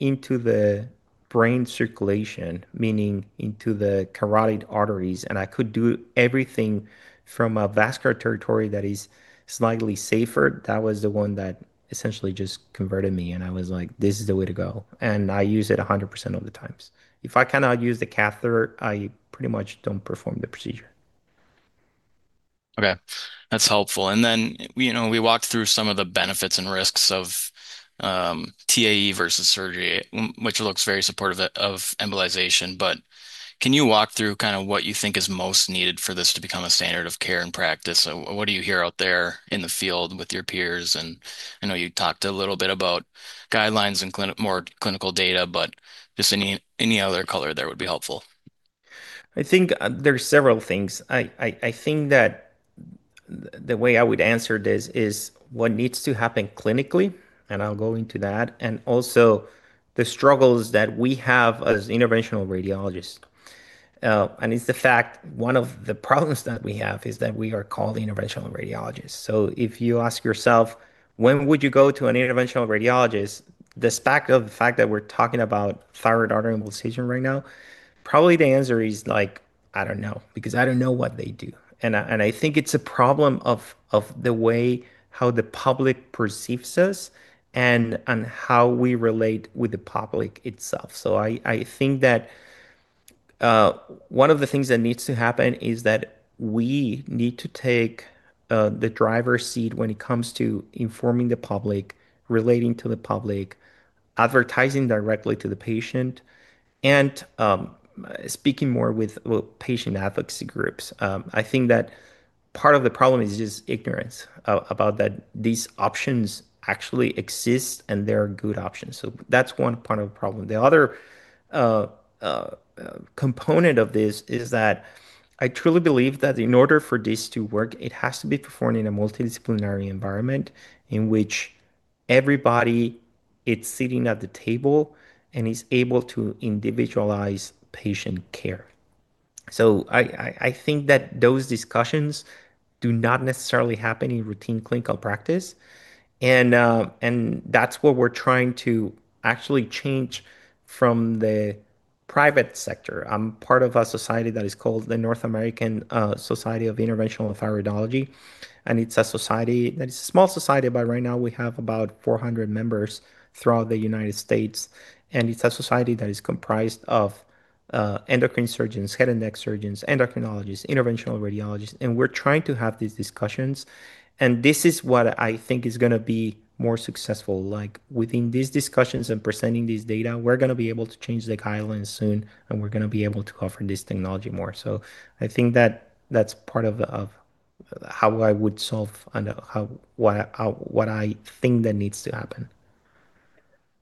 into the brain circulation, meaning into the carotid arteries. And I could do everything from a vascular territory that is slightly safer. That was the one that essentially just converted me. And I was like, "This is the way to go." And I use it 100% of the times. If I cannot use the catheter, I pretty much don't perform the procedure. Okay. That's helpful, and then we walked through some of the benefits and risks of TAE versus surgery, which looks very supportive of embolization, but can you walk through kind of what you think is most needed for this to become a standard of care and practice? What do you hear out there in the field with your peers, and I know you talked a little bit about guidelines and more clinical data, but just any other color there would be helpful. I think there's several things. I think that the way I would answer this is what needs to happen clinically. And I'll go into that. And also the struggles that we have as interventional radiologists. And it's the fact one of the problems that we have is that we are called interventional radiologists. So if you ask yourself, "When would you go to an interventional radiologist?" The fact that we're talking about thyroid artery embolization right now, probably the answer is like, "I don't know," because I don't know what they do. And I think it's a problem of the way how the public perceives us and how we relate with the public itself. So I think that one of the things that needs to happen is that we need to take the driver's seat when it comes to informing the public, relating to the public, advertising directly to the patient, and speaking more with patient advocacy groups. I think that part of the problem is just ignorance about that these options actually exist. And they're good options. So that's one part of the problem. The other component of this is that I truly believe that in order for this to work, it has to be performed in a multidisciplinary environment in which everybody is sitting at the table and is able to individualize patient care. So I think that those discussions do not necessarily happen in routine clinical practice. And that's what we're trying to actually change from the private sector. I'm part of a society that is called the North American Society of Interventional Thyroidology. And it's a society that is a small society. But right now, we have about 400 members throughout the United States. And it's a society that is comprised of endocrine surgeons, head and neck surgeons, endocrinologists, interventional radiologists. And we're trying to have these discussions. And this is what I think is going to be more successful. Within these discussions and presenting these data, we're going to be able to change the guidelines soon. And we're going to be able to offer this technology more. So I think that that's part of how I would solve and what I think that needs to happen.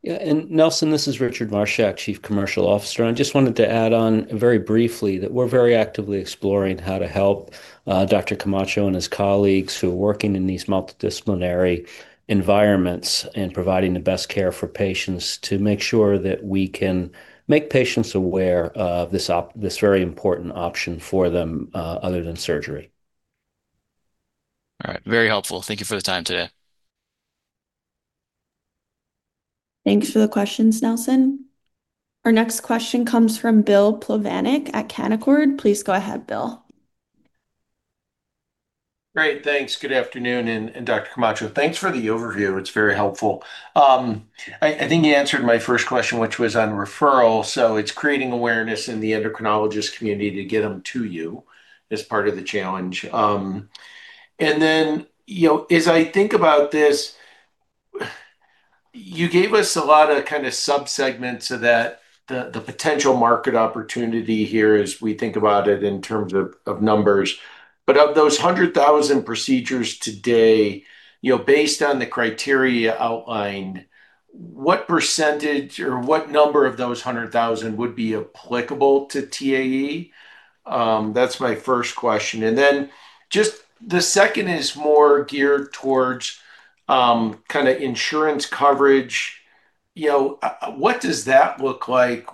Yeah. And Nelson, this is Richard Marshall, Chief Commercial Officer. And I just wanted to add on very briefly that we're very actively exploring how to help Dr. Camacho and his colleagues who are working in these multidisciplinary environments and providing the best care for patients to make sure that we can make patients aware of this very important option for them other than surgery. All right. Very helpful. Thank you for the time today. Thanks for the questions, Nelson. Our next question comes from William Plovanic at Canaccord Genuity. Please go ahead, Bill. Great. Thanks. Good afternoon. And Dr. Camacho, thanks for the overview. It's very helpful. I think you answered my first question, which was on referral. So it's creating awareness in the endocrinologist community to get them to you as part of the challenge. And then as I think about this, you gave us a lot of kind of subsegments of that, the potential market opportunity here as we think about it in terms of numbers. But of those 100,000 procedures today, based on the criteria outlined, what percentage or what number of those 100,000 would be applicable to TAE? That's my first question. And then just the second is more geared towards kind of insurance coverage. What does that look like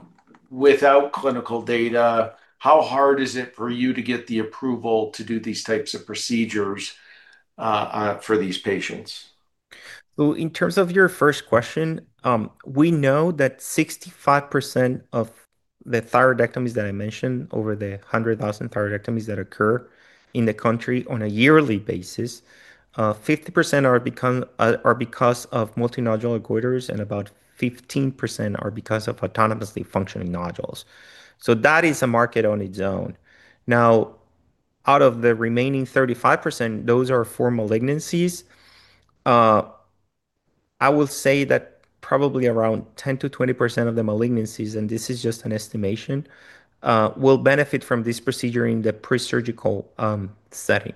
without clinical data? How hard is it for you to get the approval to do these types of procedures for these patients? In terms of your first question, we know that 65% of the thyroidectomies that I mentioned, over the 100,000 thyroidectomies that occur in the country on a yearly basis, 50% are because multinodular goiters. About 15% are because of autonomously functioning nodules. That is a market on its own. Now, out of the remaining 35%, those are for malignancies. I will say that probably around 10%-20% of the malignancies, and this is just an estimation, will benefit from this procedure in the presurgical setting.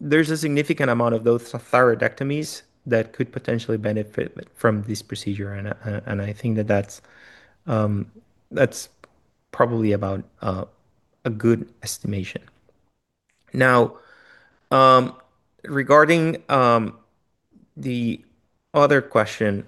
There's a significant amount of those thyroidectomies that could potentially benefit from this procedure. I think that that's probably about a good estimation. Now, regarding the other question,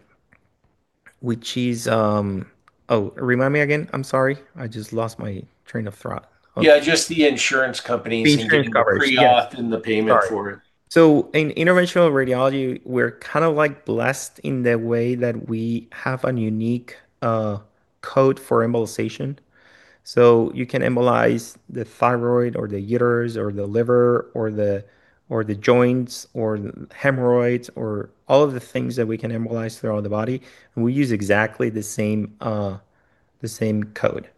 which is, oh, remind me again. I'm sorry. I just lost my train of thought. Yeah, just the insurance companies need to be pre-authing the payment for it. So in interventional radiology, we're kind of blessed in the way that we have a unique code for embolization. So you can embolize the thyroid or the uterus or the liver or the joints or hemorrhoids or all of the things that we can embolize throughout the body. And we use exactly the same code.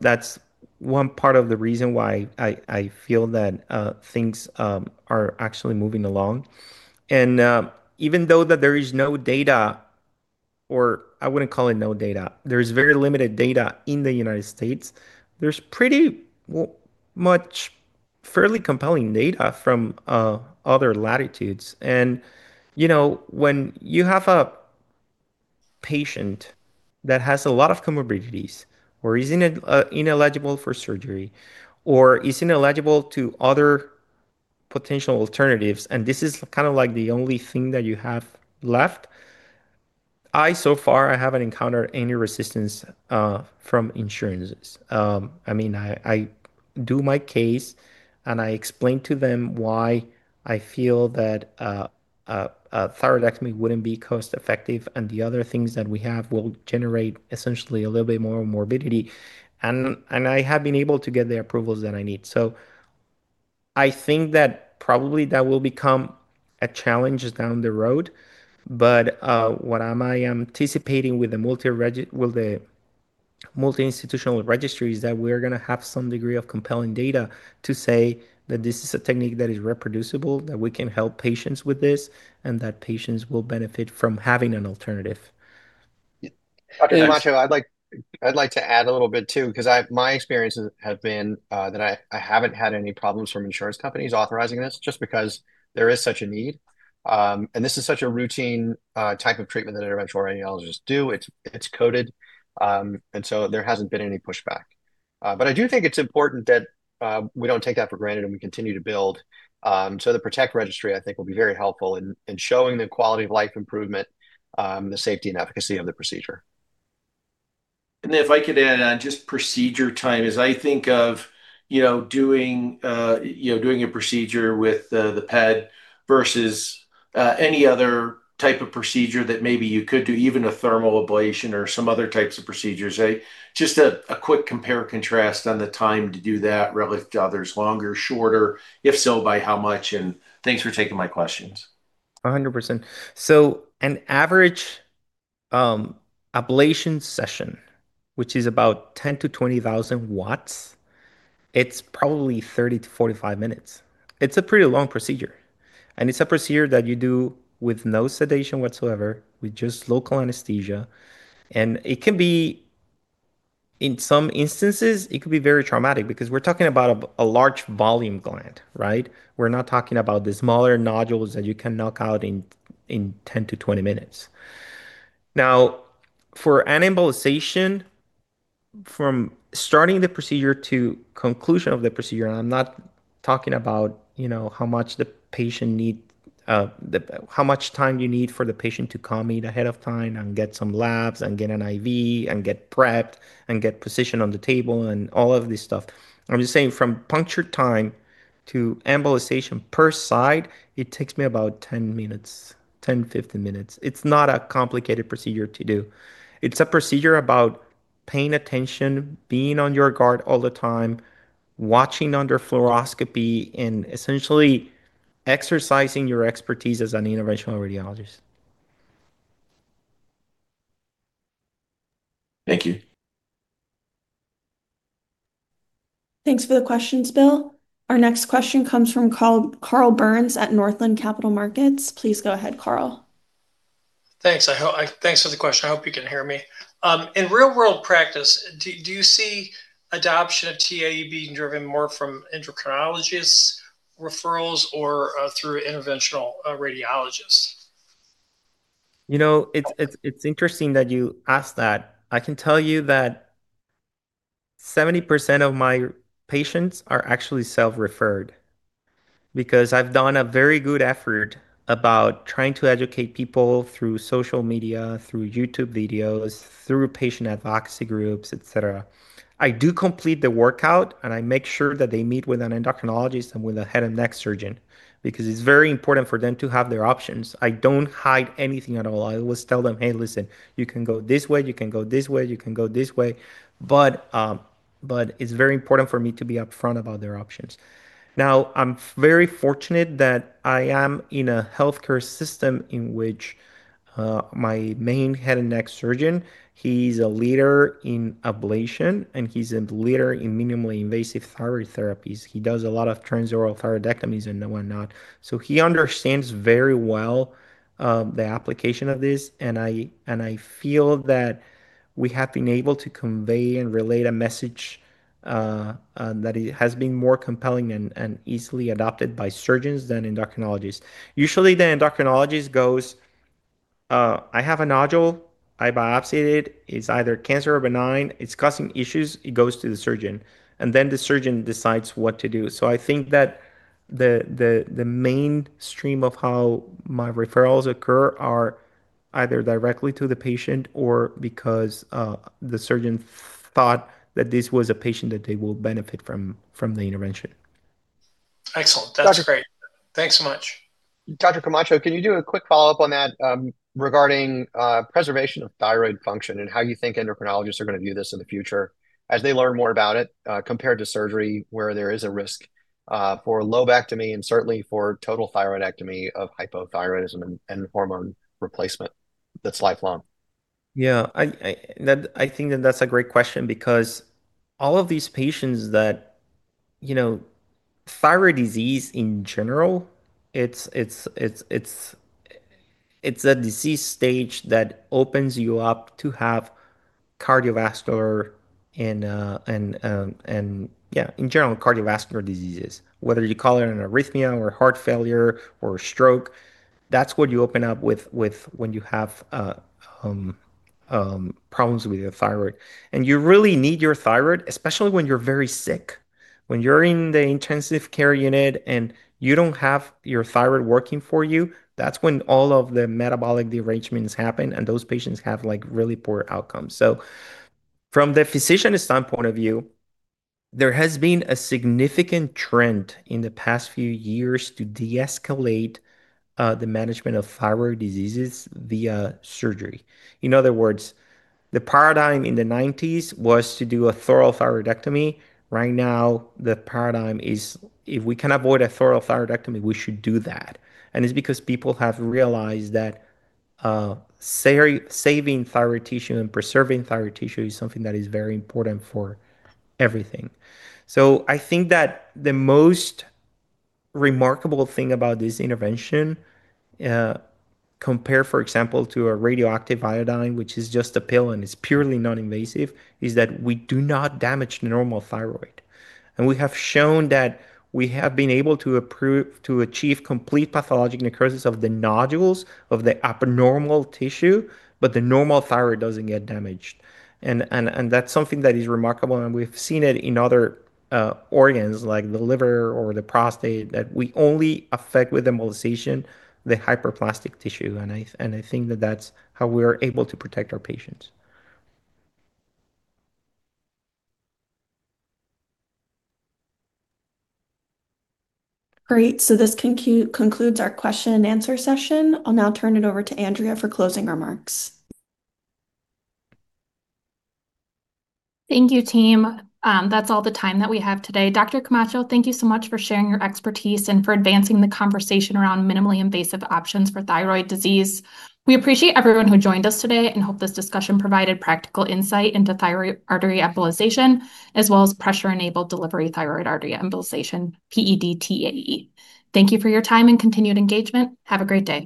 That's one part of the reason why I feel that things are actually moving along. And even though there is no data, or I wouldn't call it no data, there is very limited data in the United States. There's pretty much fairly compelling data from other latitudes. And when you have a patient that has a lot of comorbidities or is ineligible for surgery or is ineligible to other potential alternatives, and this is kind of like the only thing that you have left, I so far, I haven't encountered any resistance from insurances. I mean, I do my case, and I explain to them why I feel that thyroidectomy wouldn't be cost-effective, and the other things that we have will generate essentially a little bit more morbidity, and I have been able to get the approvals that I need, so I think that probably that will become a challenge down the road, but what I'm anticipating with the multi-institutional registry is that we're going to have some degree of compelling data to say that this is a technique that is reproducible, that we can help patients with this, and that patients will benefit from having an alternative. Dr. Camacho, I'd like to add a little bit too because my experiences have been that I haven't had any problems from insurance companies authorizing this just because there is such a need, and this is such a routine type of treatment that interventional radiologists do. It's coded, and so there hasn't been any pushback, but I do think it's important that we don't take that for granted and we continue to build, so the PROTECT Registry, I think, will be very helpful in showing the quality of life improvement, the safety, and efficacy of the procedure. And if I could add on just procedure time as I think of doing a procedure with the PETAE versus any other type of procedure that maybe you could do, even a thermal ablation or some other types of procedures, just a quick compare and contrast on the time to do that relative to others, longer, shorter, if so, by how much? And thanks for taking my questions. 100%. So an average ablation session, which is about 10,000-20,000 watts, it's probably 30-45 minutes. It's a pretty long procedure. And it's a procedure that you do with no sedation whatsoever with just local anesthesia. And in some instances, it could be very traumatic because we're talking about a large volume gland, right? We're not talking about the smaller nodules that you can knock out in 10-20 minutes. Now, for an embolization, from starting the procedure to conclusion of the procedure, and I'm not talking about how much the patient needs, how much time you need for the patient to come in ahead of time and get some labs and get an IV and get prepped and get positioned on the table and all of this stuff. I'm just saying from puncture time to embolization per side, it takes me about 10 minutes, 10, 15 minutes. It's not a complicated procedure to do. It's a procedure about paying attention, being on your guard all the time, watching under fluoroscopy, and essentially exercising your expertise as an interventional radiologist. Thank you. Thanks for the questions, Bill. Our next question comes from Carl Byrnes at Northland Capital Markets. Please go ahead, Carl. Thanks. Thanks for the question. I hope you can hear me. In real-world practice, do you see adoption of TAE being driven more from endocrinologists' referrals or through interventional radiologists? It's interesting that you asked that. I can tell you that 70% of my patients are actually self-referred because I've done a very good effort about trying to educate people through social media, through YouTube videos, through patient advocacy groups, etc. I do complete the workup, and I make sure that they meet with an endocrinologist and with a head and neck surgeon because it's very important for them to have their options. I don't hide anything at all. I always tell them, "Hey, listen, you can go this way. You can go this way. You can go this way," but it's very important for me to be upfront about their options. Now, I'm very fortunate that I am in a healthcare system in which my main head and neck surgeon, he's a leader in ablation, and he's a leader in minimally invasive thyroid therapies. He does a lot of transoral thyroidectomies and whatnot. So he understands very well the application of this. And I feel that we have been able to convey and relay a message that has been more compelling and easily adopted by surgeons than endocrinologists. Usually, the endocrinologist goes, "I have a nodule. I biopsied it. It's either cancer or benign. It's causing issues. It goes to the surgeon." And then the surgeon decides what to do. So I think that the main stream of how my referrals occur are either directly to the patient or because the surgeon thought that this was a patient that they will benefit from the intervention. Excellent. That's great. Thanks so much. Dr. Camacho, can you do a quick follow-up on that regarding preservation of thyroid function and how you think endocrinologists are going to view this in the future as they learn more about it compared to surgery where there is a risk for lobectomy and certainly for total thyroidectomy of hypothyroidism and hormone replacement that's lifelong? Yeah. I think that that's a great question because all of these patients that thyroid disease in general, it's a disease stage that opens you up to have cardiovascular and, yeah, in general, cardiovascular diseases, whether you call it an arrhythmia or heart failure or stroke. That's what you open up with when you have problems with your thyroid, and you really need your thyroid, especially when you're very sick, when you're in the intensive care unit and you don't have your thyroid working for you. That's when all of the metabolic derangements happen, and those patients have really poor outcomes, so from the physician's standpoint of view, there has been a significant trend in the past few years to de-escalate the management of thyroid diseases via surgery. In other words, the paradigm in the 1990s was to do a total thyroidectomy. Right now, the paradigm is if we can avoid a total thyroidectomy, we should do that, and it's because people have realized that saving thyroid tissue and preserving thyroid tissue is something that is very important for everything, so I think that the most remarkable thing about this intervention, compared, for example, to a radioactive iodine, which is just a pill and it's purely non-invasive, is that we do not damage the normal thyroid. And we have shown that we have been able to achieve complete pathologic necrosis of the nodules of the abnormal tissue, but the normal thyroid doesn't get damaged, and that's something that is remarkable. We've seen it in other organs like the liver or the prostate that we only affect with embolization the hyperplastic tissue, and I think that that's how we are able to protect our patients. Great. So this concludes our question and answer session. I'll now turn it over to Mary for closing remarks. Thank you, team. That's all the time that we have today. Dr. Camacho, thank you so much for sharing your expertise and for advancing the conversation around minimally invasive options for thyroid disease. We appreciate everyone who joined us today and hope this discussion provided practical insight into thyroid artery embolization as well as Pressure-Enabled Thyroid Artery Embolization, PETAE. Thank you for your time and continued engagement. Have a great day.